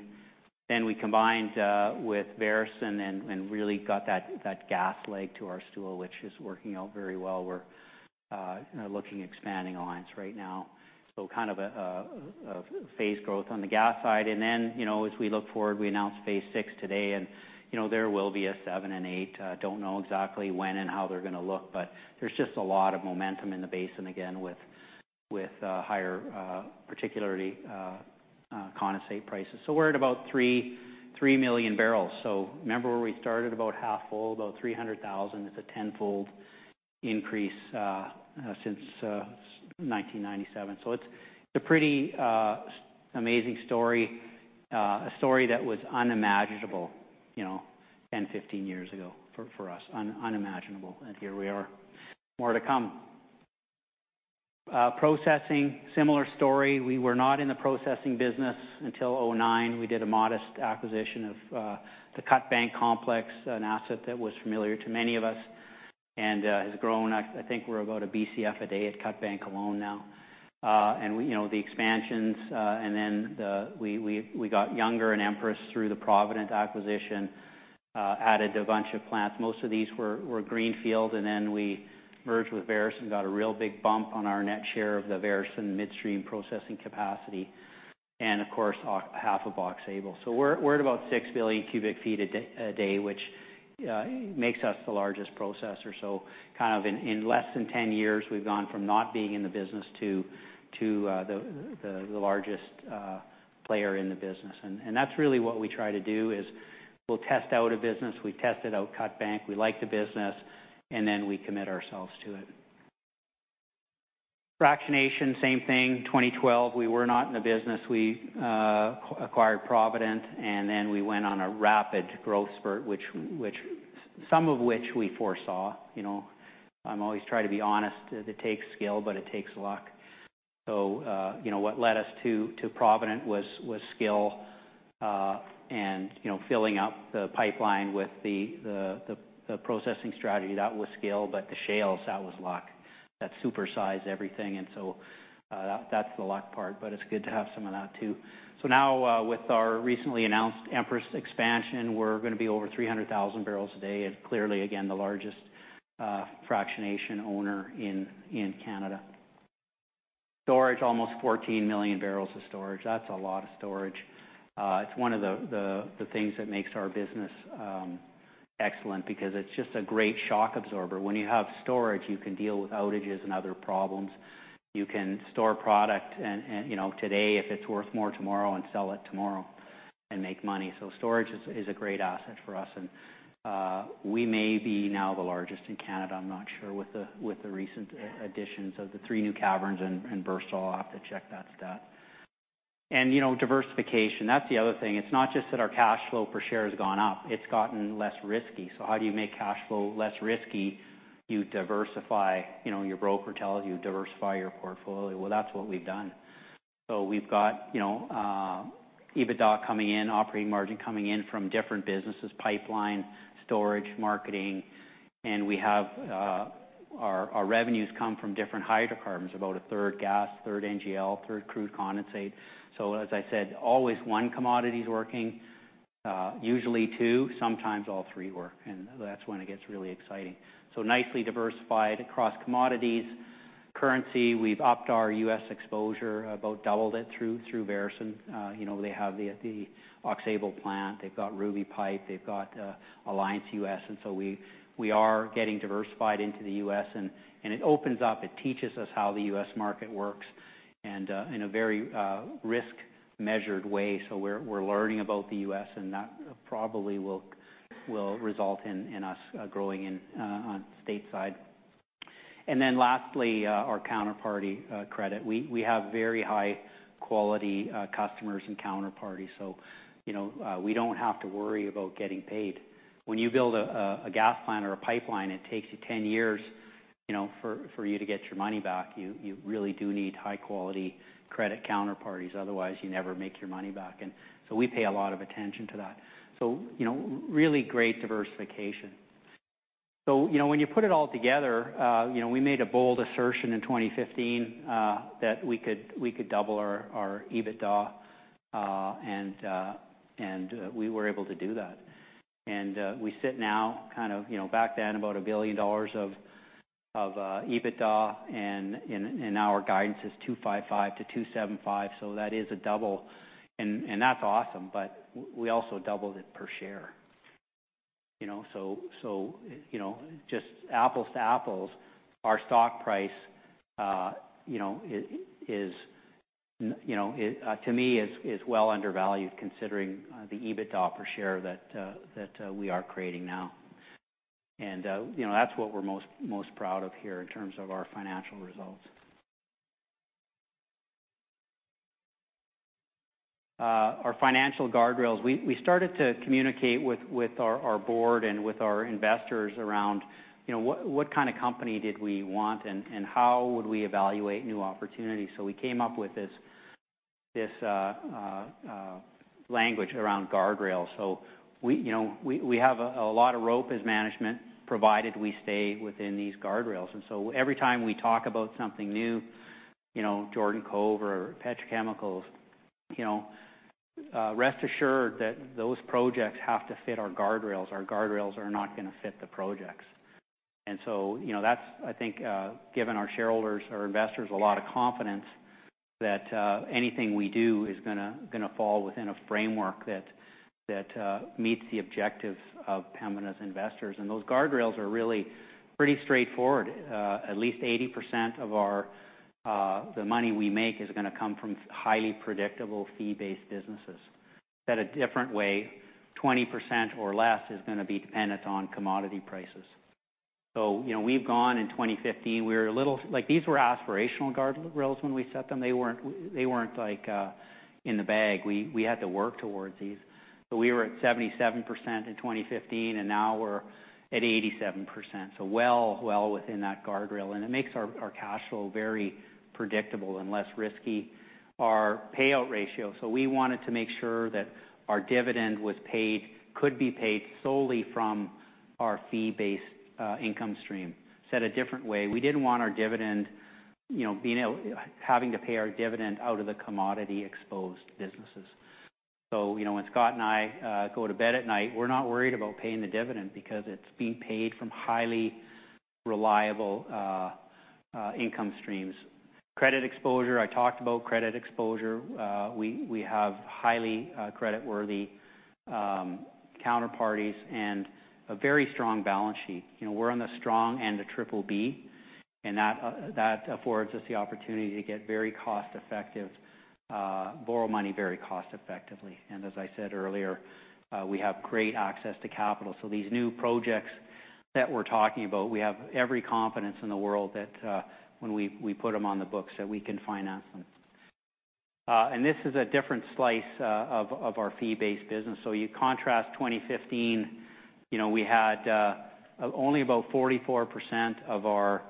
[SPEAKER 7] We combined with Veresen and really got that gas leg to our stool, which is working out very well. We are looking at expanding Alliance right now. A phased growth on the gas side. As we look forward, we announced Phase Six today, and there will be a Phase 7 and 8. Don't know exactly when and how they are going to look, but there is just a lot of momentum in the basin again, with higher, particularly condensate prices. We're at about 3 million barrels. Remember where we started about half full, about 300,000. It's a tenfold increase since 1997. It's a pretty amazing story, a story that was unimaginable 10, 15 years ago for us. Unimaginable. Here we are. More to come. Processing, similar story. We were not in the processing business until 2009. We did a modest acquisition of the Cut Bank Complex, an asset that was familiar to many of us and has grown. I think we're about a BCF a day at Cut Bank alone now. The expansions. We got Younger and Empress through the Provident acquisition, added a bunch of plants. Most of these were greenfield. We merged with Veresen, got a real big bump on our net share of the Veresen Midstream processing capacity. Of course, half of Aux Sable. We're at about 6 billion cubic feet a day, which makes us the largest processor. In less than 10 years, we've gone from not being in the business to the largest player in the business. That's really what we try to do is we'll test out a business. We tested out Cut Bank. We like the business. We commit ourselves to it. Fractionation, same thing. 2012, we were not in the business. We acquired Provident. We went on a rapid growth spurt, some of which we foresaw. I always try to be honest. It takes skill, but it takes luck. What led us to Provident was skill. And filling up the pipeline with the processing strategy. That was scale, but the shales, that was luck. That supersized everything. That's the luck part, but it's good to have some of that, too. Now, with our recently announced Empress expansion, we're going to be over 300,000 barrels a day and clearly, again, the largest fractionation owner in Canada. Storage, almost 14 million barrels of storage. That's a lot of storage. It's one of the things that makes our business excellent because it's just a great shock absorber. When you have storage, you can deal with outages and other problems. You can store product today if it's worth more tomorrow and sell it tomorrow and make money. Storage is a great asset for us, and we may be now the largest in Canada, I'm not sure, with the recent additions of the three new caverns in Bursaw. I'll have to check that stat. Diversification, that's the other thing. It's not just that our cash flow per share has gone up, it's gotten less risky. How do you make cash flow less risky? You diversify. Your broker tells you diversify your portfolio. That's what we've done. We've got EBITDA coming in, operating margin coming in from different businesses, pipeline, storage, marketing, and our revenues come from different hydrocarbons, about a third gas, third NGL, third crude condensate. As I said, always one commodity's working, usually two, sometimes all three work, and that's when it gets really exciting. Nicely diversified across commodities. Currency, we've upped our U.S. exposure, about doubled it through Veresen. They have the Oxbow plant, they've got Ruby Pipe, they've got Alliance U.S., we are getting diversified into the U.S. and it opens up, it teaches us how the U.S. market works and in a very risk-measured way. We're learning about the U.S. and that probably will result in us growing on stateside. Then lastly, our counterparty credit. We have very high-quality customers and counterparties. We don't have to worry about getting paid. When you build a gas plant or a pipeline, it takes you 10 years for you to get your money back. You really do need high-quality credit counterparties, otherwise you never make your money back. We pay a lot of attention to that. Really great diversification. When you put it all together, we made a bold assertion in 2015 that we could double our EBITDA, we were able to do that. We sit now, back then, about 1 billion dollars of EBITDA, our guidance is 2.55 billion-2.75 billion, that is a double. That's awesome, but we also doubled it per share. Just apples to apples, our stock price to me is well undervalued considering the EBITDA per share that we are creating now. That's what we're most proud of here in terms of our financial results. Our financial guardrails. We started to communicate with our board and with our investors around what kind of company did we want and how would we evaluate new opportunities. We came up with this language around guardrails. We have a lot of rope as management, provided we stay within these guardrails. Every time we talk about something new, Jordan Cove or petrochemicals, rest assured that those projects have to fit our guardrails. Our guardrails are not going to fit the projects. That, I think, given our shareholders or investors a lot of confidence that anything we do is going to fall within a framework that meets the objectives of Pembina's investors. Those guardrails are really pretty straightforward. At least 80% of the money we make is going to come from highly predictable fee-based businesses. Said a different way, 20% or less is going to be dependent on commodity prices. We've gone in 2015, these were aspirational guardrails when we set them. They weren't in the bag. We had to work towards these. We were at 77% in 2015, and now we're at 87%. Well within that guardrail, it makes our cash flow very predictable and less risky. Our payout ratio. We wanted to make sure that our dividend could be paid solely from our fee-based income stream. Said a different way, we didn't want having to pay our dividend out of the commodity-exposed businesses. When Scott and I go to bed at night, we're not worried about paying the dividend because it's being paid from highly reliable income streams. Credit exposure. I talked about credit exposure. We have highly creditworthy counterparties and a very strong balance sheet. We're on the strong end of triple B, and that affords us the opportunity to borrow money very cost-effectively. As I said earlier, we have great access to capital. These new projects that we're talking about, we have every confidence in the world that when we put them on the books, we can finance them. This is a different slice of our fee-based business. You contrast 2015. We had only about 44% of our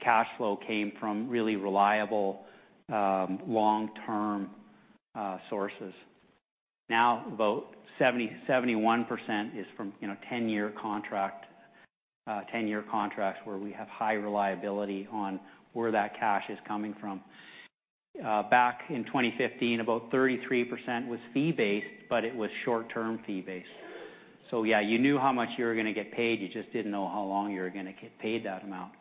[SPEAKER 7] cash flow came from really reliable, long-term sources. Now, about 71% is from 10-year contracts where we have high reliability on where that cash is coming from. Back in 2015, about 33% was fee-based, but it was short-term fee-based. Yeah, you knew how much you were going to get paid, you just didn't know how long you were going to get paid that amount.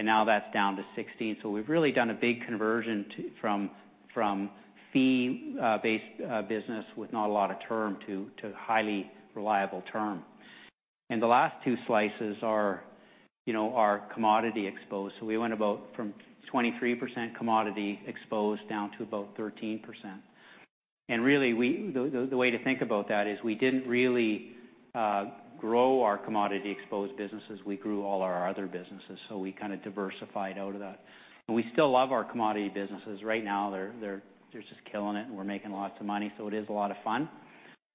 [SPEAKER 7] Now that's down to 16. We've really done a big conversion from fee-based business with not a lot of term to highly reliable term. The last two slices are commodity exposed. We went about from 23% commodity exposed down to about 13%. Really, the way to think about that is we didn't really grow our commodity-exposed businesses. We grew all our other businesses. We diversified out of that. We still love our commodity businesses. Right now, they're just killing it, and we're making lots of money. It is a lot of fun,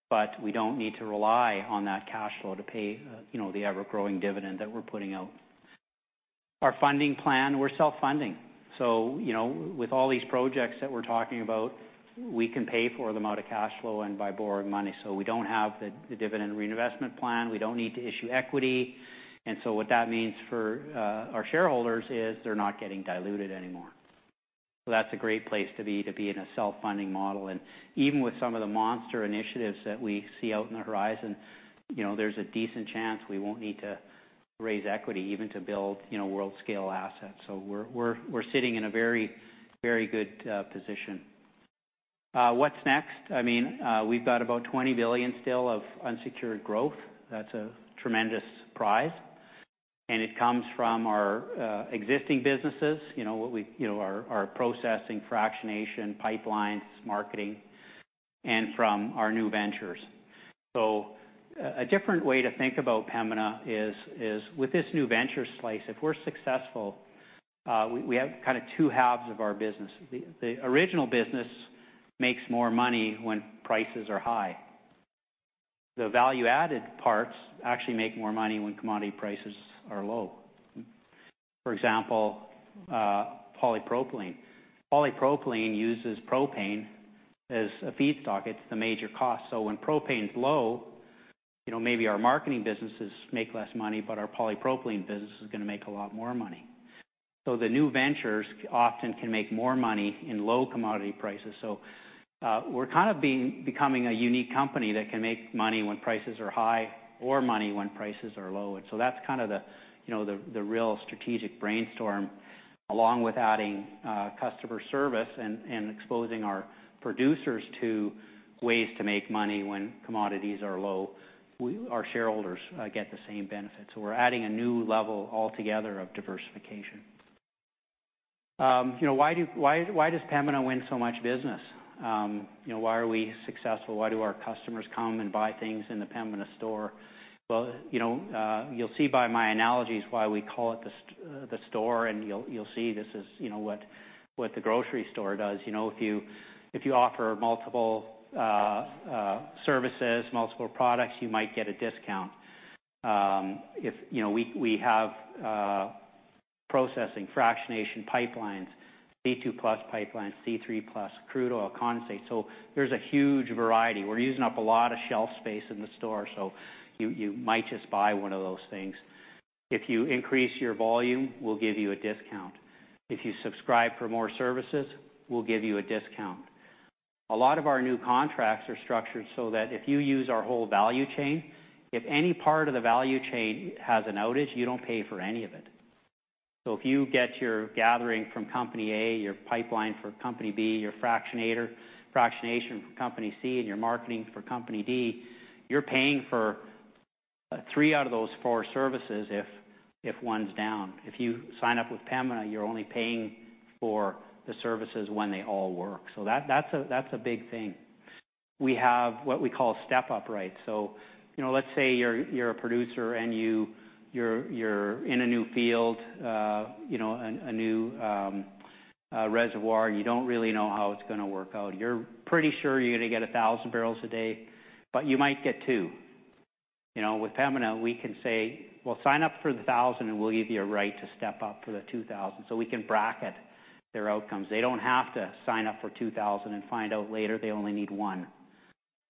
[SPEAKER 7] but we don't need to rely on that cash flow to pay the ever-growing dividend that we're putting out. Our funding plan, we're self-funding. With all these projects that we're talking about, we can pay for them out of cash flow and by borrowing money. We don't have the dividend reinvestment plan. We don't need to issue equity. What that means for our shareholders is they're not getting diluted anymore. That's a great place to be, to be in a self-funding model. Even with some of the monster initiatives that we see out in the horizon, there's a decent chance we won't need to raise equity even to build world-scale assets. We're sitting in a very good position. What's next? We've got about 20 billion still of unsecured growth. That's a tremendous prize, and it comes from our existing businesses, our processing, fractionation, pipelines, marketing, and from our new ventures. A different way to think about Pembina is with this new venture slice, if we're successful, we have two halves of our business. The original business makes more money when prices are high. The value-added parts actually make more money when commodity prices are low. For example, polypropylene. Polypropylene uses propane as a feedstock. It's the major cost. When propane is low, maybe our marketing businesses make less money, but our polypropylene business is going to make a lot more money. The new ventures often can make more money in low commodity prices. We are becoming a unique company that can make money when prices are high or money when prices are low. That is the real strategic brainstorm, along with adding customer service and exposing our producers to ways to make money when commodities are low. Our shareholders get the same benefit. We are adding a new level altogether of diversification. Why does Pembina win so much business? Why are we successful? Why do our customers come and buy things in the Pembina store? Well, you will see by my analogies why we call it the store, and you will see this is what the grocery store does. If you offer multiple services, multiple products, you might get a discount. We have processing, fractionation, pipelines, C2+ pipelines, C3+ crude oil, condensate. There is a huge variety. We are using up a lot of shelf space in the store, so you might just buy one of those things. If you increase your volume, we will give you a discount. If you subscribe for more services, we will give you a discount. A lot of our new contracts are structured so that if you use our whole value chain, if any part of the value chain has an outage, you do not pay for any of it. If you get your gathering from company A, your pipeline for company B, your fractionation from Company C, and your marketing for company D, you are paying for three out of those four services if one is down. If you sign up with Pembina, you are only paying for the services when they all work. That is a big thing. We have what we call step-up rights. Let us say you are a producer and you are in a new field, a new reservoir. You do not really know how it is going to work out. You are pretty sure you are going to get 1,000 barrels a day, but you might get two. With Pembina, we can say, "Well, sign up for the 1,000, and we will give you a right to step up for the 2,000." We can bracket their outcomes. They do not have to sign up for 2,000 and find out later they only need one.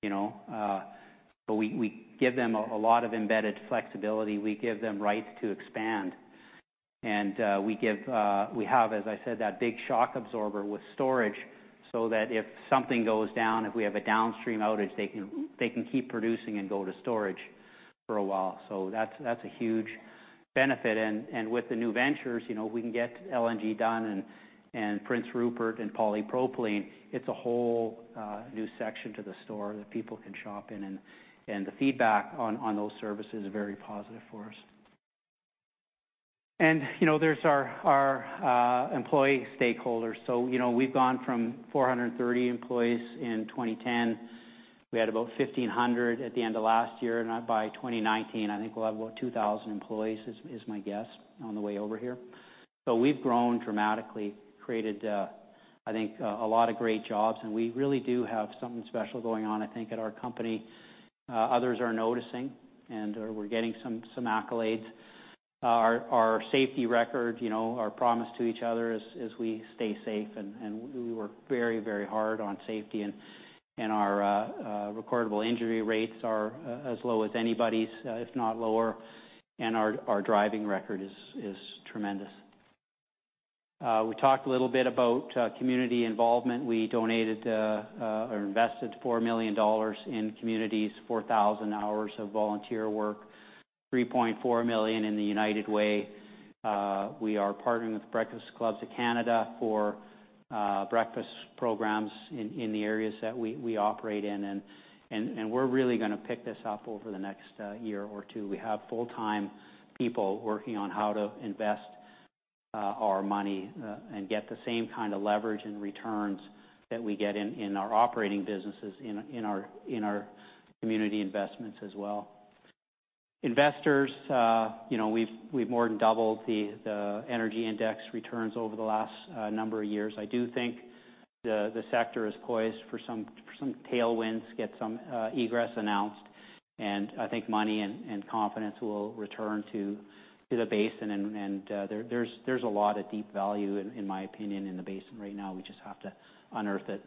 [SPEAKER 7] We give them a lot of embedded flexibility. We give them rights to expand. We have, as I said, that big shock absorber with storage so that if something goes down, if we have a downstream outage, they can keep producing and go to storage for a while. That is a huge benefit. With the new ventures, we can get LNG done and Prince Rupert and polypropylene. It is a whole new section to the store that people can shop in, and the feedback on those services is very positive for us. There is our employee stakeholders. We have gone from 430 employees in 2010. We had about 1,500 at the end of last year. By 2019, I think we will have about 2,000 employees, is my guess, on the way over here. We have grown dramatically, created I think a lot of great jobs, and we really do have something special going on, I think, at our company. Others are noticing, we're getting some accolades. Our safety record, our promise to each other is we stay safe, we work very, very hard on safety. Our recordable injury rates are as low as anybody's, if not lower. Our driving record is tremendous. We talked a little bit about community involvement. We donated or invested 4 million dollars in communities, 4,000 hours of volunteer work, 3.4 million in the United Way. We are partnering with Breakfast Club of Canada for breakfast programs in the areas that we operate in. We're really going to pick this up over the next year or two. We have full-time people working on how to invest our money and get the same kind of leverage and returns that we get in our operating businesses, in our community investments as well. Investors, we've more than doubled the energy index returns over the last number of years. I do think the sector is poised for some tailwinds, get some egress announced. I think money and confidence will return to the basin. There's a lot of deep value, in my opinion, in the basin right now, we just have to unearth it.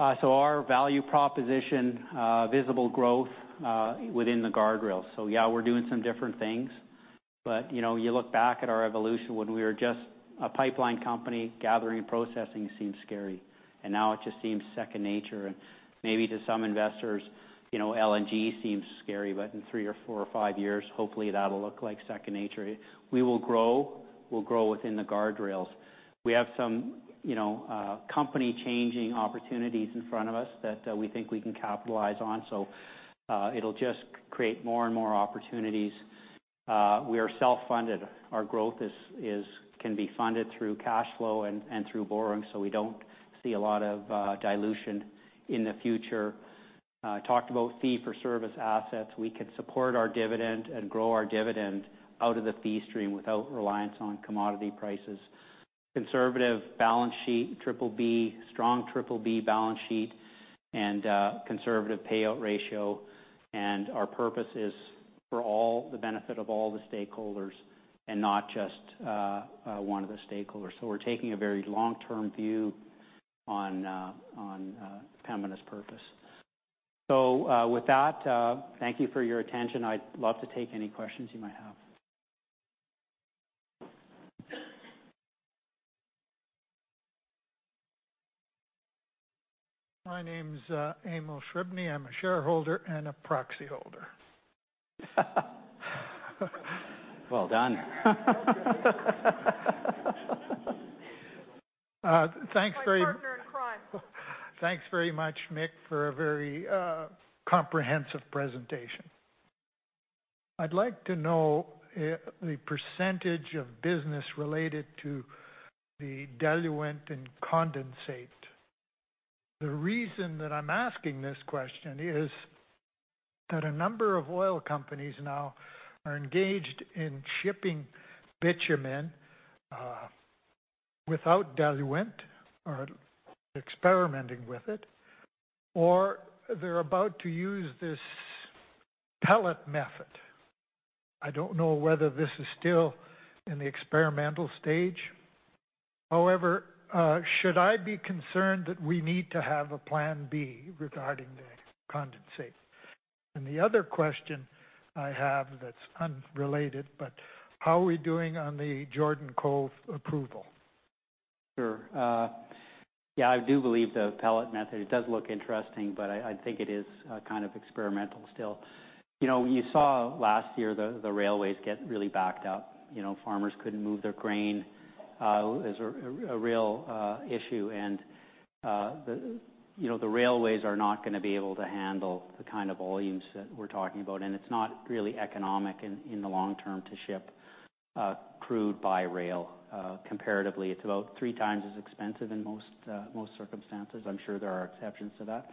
[SPEAKER 7] Our value proposition, visible growth within the guardrails. Yeah, we're doing some different things. You look back at our evolution when we were just a pipeline company, gathering, processing seemed scary. Now it just seems second nature. Maybe to some investors, LNG seems scary, but in three or four or five years, hopefully that'll look like second nature. We will grow. We'll grow within the guardrails. We have some company-changing opportunities in front of us that we think we can capitalize on. It'll just create more and more opportunities. We are self-funded. Our growth can be funded through cash flow and through borrowing, we don't see a lot of dilution in the future. Talked about fee-for-service assets. We could support our dividend and grow our dividend out of the fee stream without reliance on commodity prices. Conservative balance sheet, triple B, strong triple B balance sheet, conservative payout ratio. Our purpose is for the benefit of all the stakeholders and not just one of the stakeholders. We're taking a very long-term view on Pembina's purpose. With that, thank you for your attention. I'd love to take any questions you might have.
[SPEAKER 8] My name's Emil Shribney. I'm a shareholder and a proxy holder.
[SPEAKER 7] Well done.
[SPEAKER 8] Thanks very-
[SPEAKER 4] My partner in crime.
[SPEAKER 8] Thanks very much, Mick, for a very comprehensive presentation. I'd like to know the percentage of business related to the diluent and condensate. The reason that I'm asking this question is that a number of oil companies now are engaged in shipping bitumen without diluent or experimenting with it, or they're about to use this pellet method. I don't know whether this is still in the experimental stage. However, should I be concerned that we need to have a plan B regarding the condensate? The other question I have that's unrelated, but how are we doing on the Jordan Cove approval?
[SPEAKER 7] I do believe the pellet method, it does look interesting, but I think it is experimental still. You saw last year the railways get really backed up. Farmers couldn't move their grain. It was a real issue. The railways are not going to be able to handle the kind of volumes that we're talking about. It's not really economic in the long term to ship crude by rail. Comparatively, it's about three times as expensive in most circumstances. I'm sure there are exceptions to that.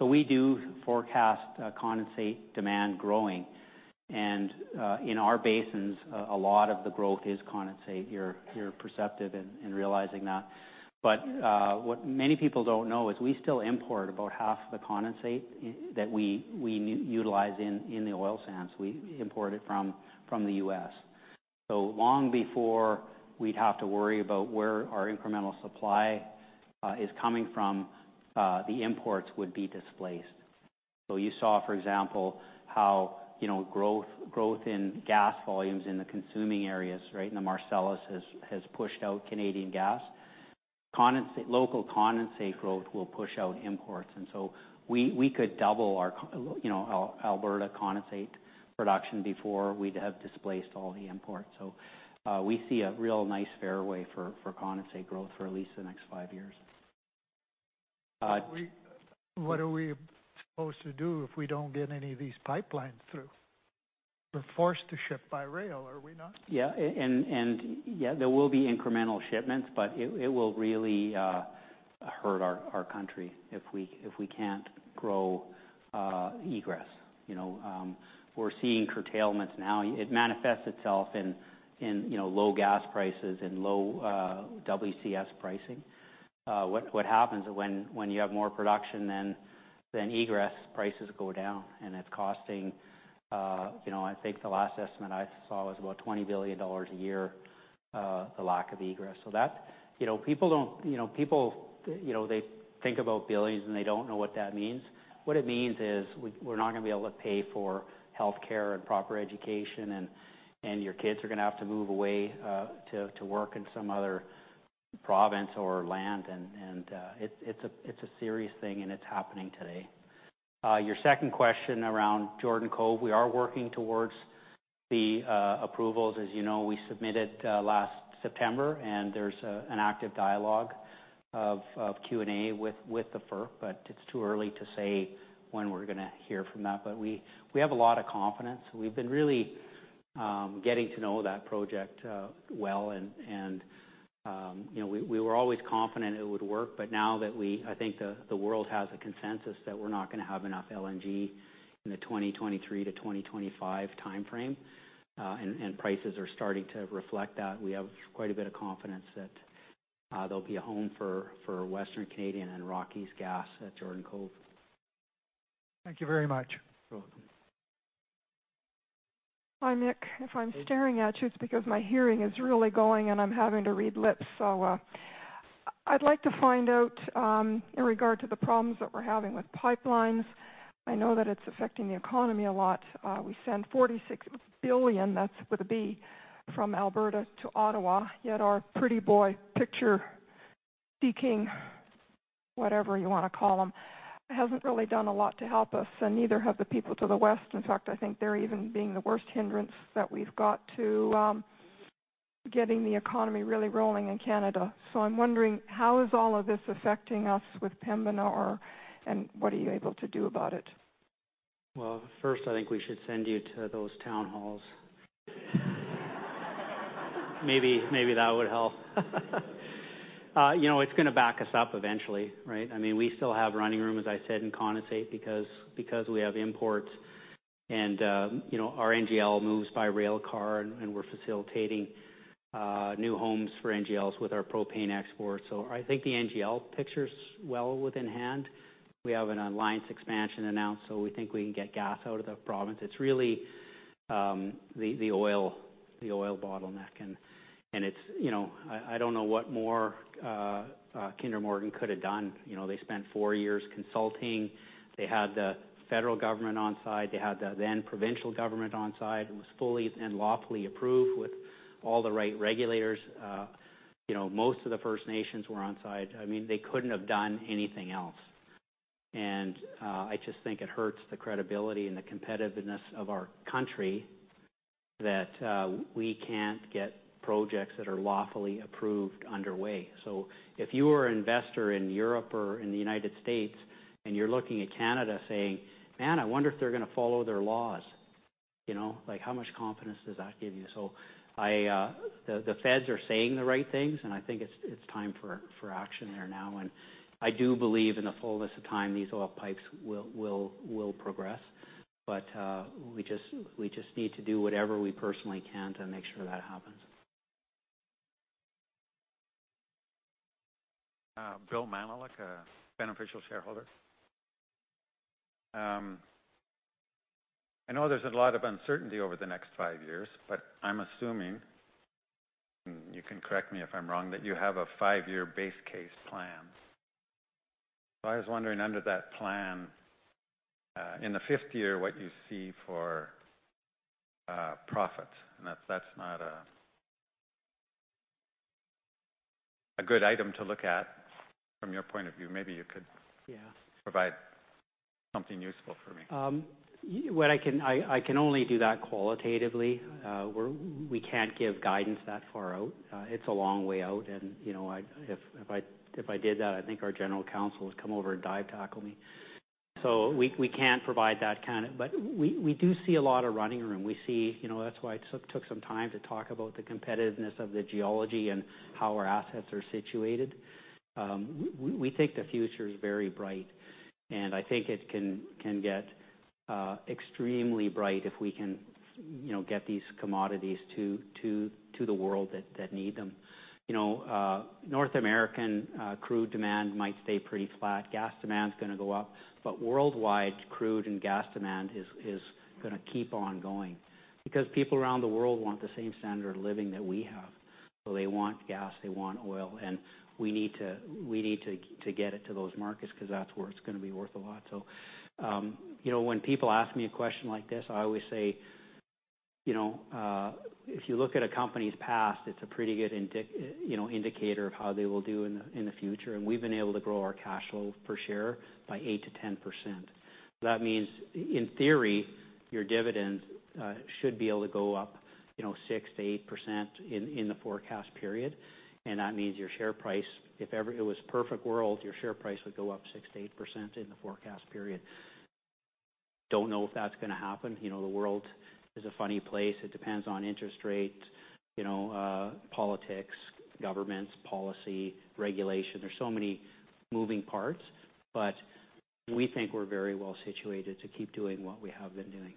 [SPEAKER 7] We do forecast condensate demand growing, and in our basins, a lot of the growth is condensate. You're perceptive in realizing that. What many people don't know is we still import about half the condensate that we utilize in the oil sands. We import it from the U.S. Long before we'd have to worry about where our incremental supply is coming from, the imports would be displaced. You saw, for example, how growth in gas volumes in the consuming areas, right, in the Marcellus, has pushed out Canadian gas. Local condensate growth will push out imports. We could double our Alberta condensate production before we'd have displaced all the imports. We see a real nice fairway for condensate growth for at least the next five years.
[SPEAKER 8] What are we supposed to do if we don't get any of these pipelines through? We're forced to ship by rail, are we not?
[SPEAKER 7] Yeah. There will be incremental shipments, but it will hurt our country if we can't grow egress. We're seeing curtailments now. It manifests itself in low gas prices and low WCS pricing. What happens when you have more production than egress, prices go down. It's costing, I think the last estimate I saw was about 20 billion dollars a year, the lack of egress. People think about billions, and they don't know what that means. What it means is we're not going to be able to pay for healthcare and proper education, and your kids are going to have to move away to work in some other province or land. It's a serious thing, and it's happening today. Your second question around Jordan Cove, we are working towards the approvals. As you know, we submitted last September, and there's an active dialogue of Q&A with the FERC, but it's too early to say when we're going to hear from that. We have a lot of confidence. We've been really getting to know that project well, and we were always confident it would work, but now that I think the world has a consensus that we're not going to have enough LNG in the 2023 to 2025 timeframe, and prices are starting to reflect that, we have quite a bit of confidence that there'll be a home for Western Canadian and Rockies Gas at Jordan Cove.
[SPEAKER 8] Thank you very much.
[SPEAKER 7] You're welcome.
[SPEAKER 4] Hi, Mick. If I'm staring at you, it's because my hearing is really going, and I'm having to read lips. I'd like to find out, in regard to the problems that we're having with pipelines, I know that it's affecting the economy a lot. We send 46 billion, that's with a B, from Alberta to Ottawa, yet our pretty boy, picture-seeking, whatever you want to call him, hasn't really done a lot to help us, and neither have the people to the west. In fact, I think they're even being the worst hindrance that we've got to getting the economy really rolling in Canada. I'm wondering, how is all of this affecting us with Pembina, and what are you able to do about it?
[SPEAKER 7] First, I think we should send you to those town halls. Maybe that would help. It's going to back us up eventually, right? We still have running room, as I said, in condensate because we have imports, and our NGL moves by rail car, and we're facilitating new homes for NGLs with our propane exports. I think the NGL picture's well within hand. We have an Alliance expansion announced, we think we can get gas out of the province. It's really the oil bottleneck. I don't know what more Kinder Morgan could've done. They spent 4 years consulting. They had the federal government on site. They had the then provincial government on site. It was fully and lawfully approved with all the right regulators. Most of the First Nations were on site. They couldn't have done anything else. I just think it hurts the credibility and the competitiveness of our country that we can't get projects that are lawfully approved underway. If you were an investor in Europe or in the U.S. and you're looking at Canada saying, "Man, I wonder if they're going to follow their laws," how much confidence does that give you? The feds are saying the right things, and I think it's time for action there now. I do believe in the fullness of time, these oil pipes will progress. We just need to do whatever we personally can to make sure that happens.
[SPEAKER 3] Bill Manulik, a beneficial shareholder. I know there's a lot of uncertainty over the next 5 years, but I'm assuming, you can correct me if I'm wrong, that you have a 5-year base case plan. I was wondering under that plan, in the fifth year, what you see for profit, and if that's not a good item to look at from your point of view, maybe you could
[SPEAKER 7] Yeah
[SPEAKER 3] provide something useful for me.
[SPEAKER 7] I can only do that qualitatively. We can't give guidance that far out. It's a long way out, and if I did that, I think our General Counsel would come over and dive tackle me. We do see a lot of running room. That's why I took some time to talk about the competitiveness of the geology and how our assets are situated. We think the future is very bright, and I think it can get extremely bright if we can get these commodities to the world that need them. North American crude demand might stay pretty flat. Gas demand's going to go up, but worldwide crude and gas demand is going to keep on going because people around the world want the same standard of living that we have. They want gas, they want oil, and we need to get it to those markets because that's where it's going to be worth a lot. When people ask me a question like this, I always say, if you look at a company's past, it's a pretty good indicator of how they will do in the future, and we've been able to grow our cash flow per share by 8%-10%. That means, in theory, your dividend should be able to go up 6%-8% in the forecast period. That means your share price, if it was a perfect world, your share price would go up 6%-8% in the forecast period. Don't know if that's going to happen. The world is a funny place. It depends on interest rates, politics, governments, policy, regulation. There's so many moving parts, but we think we're very well-situated to keep doing what we have been doing.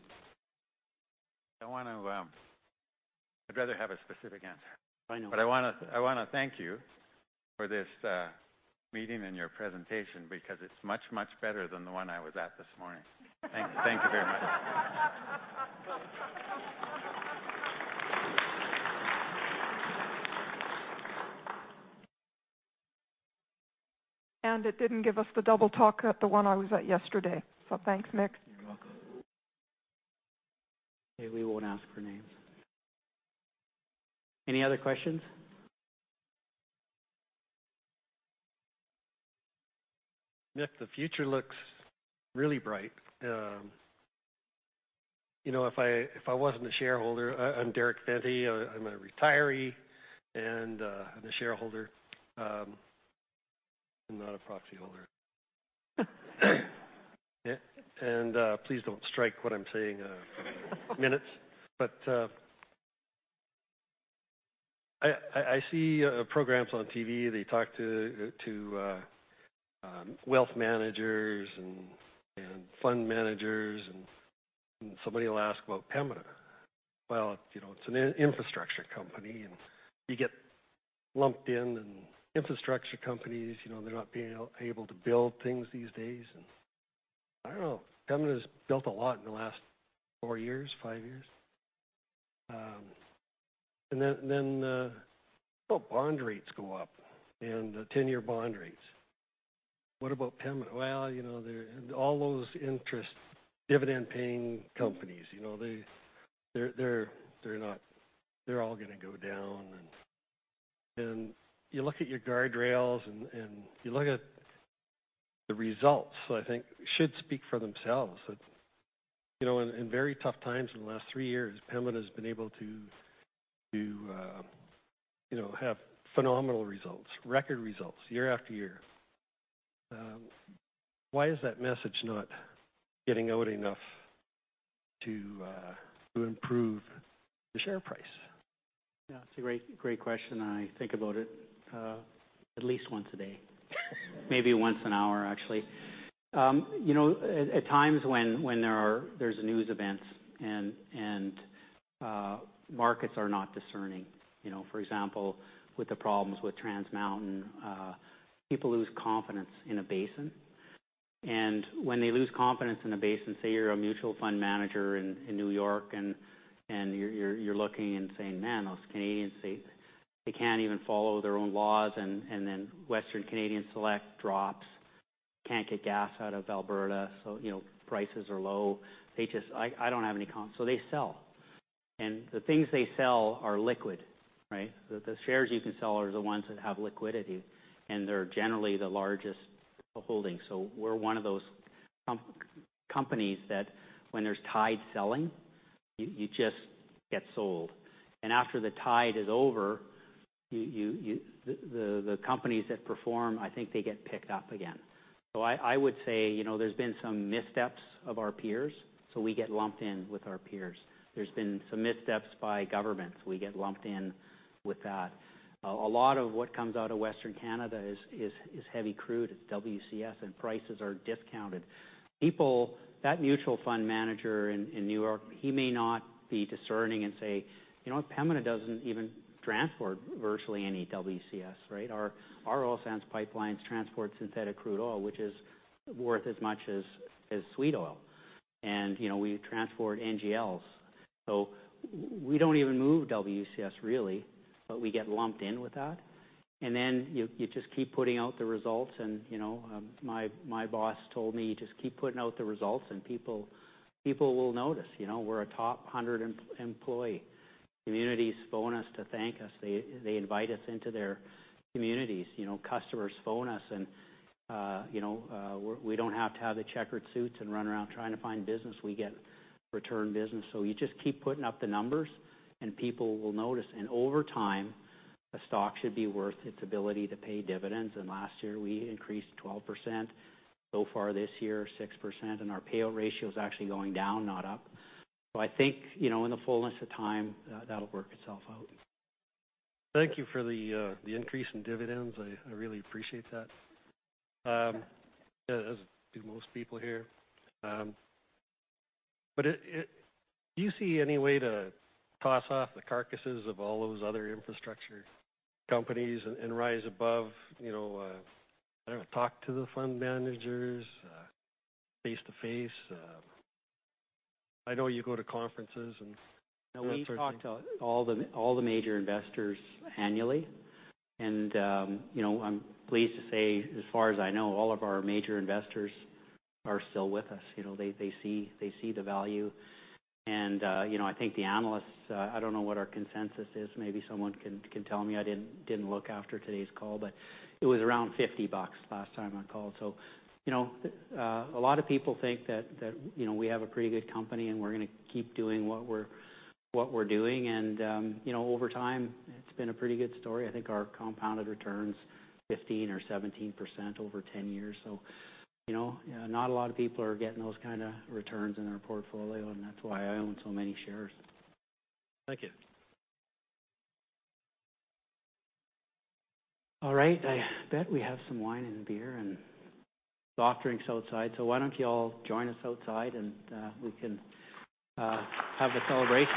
[SPEAKER 3] I'd rather have a specific answer.
[SPEAKER 7] I know.
[SPEAKER 3] I want to thank you for this meeting and your presentation because it's much, much better than the one I was at this morning.
[SPEAKER 7] Thank you.
[SPEAKER 3] Thank you very much.
[SPEAKER 4] It didn't give us the double talk at the one I was at yesterday. Thanks, Mick.
[SPEAKER 7] You're welcome. We won't ask for names. Any other questions?
[SPEAKER 6] Mick, the future looks really bright. If I wasn't a shareholder I'm Derek Fenty, I'm a retiree, and I'm a shareholder. I'm not a proxy holder. Please don't strike what I'm saying from the minutes. I see programs on TV, they talk to wealth managers and fund managers, and somebody will ask about Pembina. It's an infrastructure company, and you get lumped in, and infrastructure companies, they're not being able to build things these days, and I don't know. Pembina's built a lot in the last four years, five years. Then what about bond rates go up and the 10-year bond rates? What about Pembina? All those interest dividend-paying companies, they're all going to go down. You look at your guardrails and you look at the results, I think should speak for themselves. In very tough times in the last three years, Pembina has been able to have phenomenal results, record results year after year. Why is that message not getting out enough to improve the share price?
[SPEAKER 7] It's a great question. I think about it at least once a day. Maybe once an hour, actually. At times when there's news events and markets are not discerning, for example, with the problems with Trans Mountain, people lose confidence in a basin. When they lose confidence in a basin, say, you're a mutual fund manager in New York and you're looking and saying, "Man, those Canadians, they can't even follow their own laws," then Western Canadian Select drops, can't get gas out of Alberta, so prices are low. I don't have any confidence, so they sell. The things they sell are liquid, right? The shares you can sell are the ones that have liquidity, and they're generally the largest holdings. We're one of those companies that when there's tide selling, you just get sold. After the tide is over, the companies that perform, I think they get picked up again. I would say, there's been some missteps of our peers, so we get lumped in with our peers. There's been some missteps by governments. We get lumped in with that. A lot of what comes out of Western Canada is heavy crude. It's WCS, and prices are discounted. That mutual fund manager in New York, he may not be discerning and say, "You know what? Pembina doesn't even transport virtually any WCS, right?" Our oil sands pipelines transport synthetic crude oil, which is worth as much as sweet oil. We transport NGLs. We don't even move WCS, really, but we get lumped in with that. Then you just keep putting out the results and my boss told me, "Just keep putting out the results and people will notice." We're a Top 100 Employer. Communities phone us to thank us. They invite us into their communities. Customers phone us, and we don't have to have the checkered suits and run around trying to find business. We get return business. You just keep putting up the numbers and people will notice. Over time, a stock should be worth its ability to pay dividends. Last year, we increased 12%. Far this year, 6%, and our payout ratio is actually going down, not up. I think, in the fullness of time, that'll work itself out.
[SPEAKER 6] Thank you for the increase in dividends. I really appreciate that. As do most people here. Do you see any way to toss off the carcasses of all those other infrastructure companies and rise above? I don't know, talk to the fund managers face-to-face? I know you go to conferences.
[SPEAKER 7] No, we talk to all the major investors annually. I'm pleased to say, as far as I know, all of our major investors are still with us. They see the value. I think the analysts, I don't know what our consensus is. Maybe someone can tell me. I didn't look after today's call. It was around 50 bucks last time I called. A lot of people think that we have a pretty good company and we're going to keep doing what we're doing. Over time, it's been a pretty good story. I think our compounded return's 15% or 17% over 10 years. Not a lot of people are getting those kind of returns in their portfolio, and that's why I own so many shares.
[SPEAKER 6] Thank you.
[SPEAKER 7] All right. I bet we have some wine and beer and soft drinks outside. Why don't you all join us outside and we can have a celebration?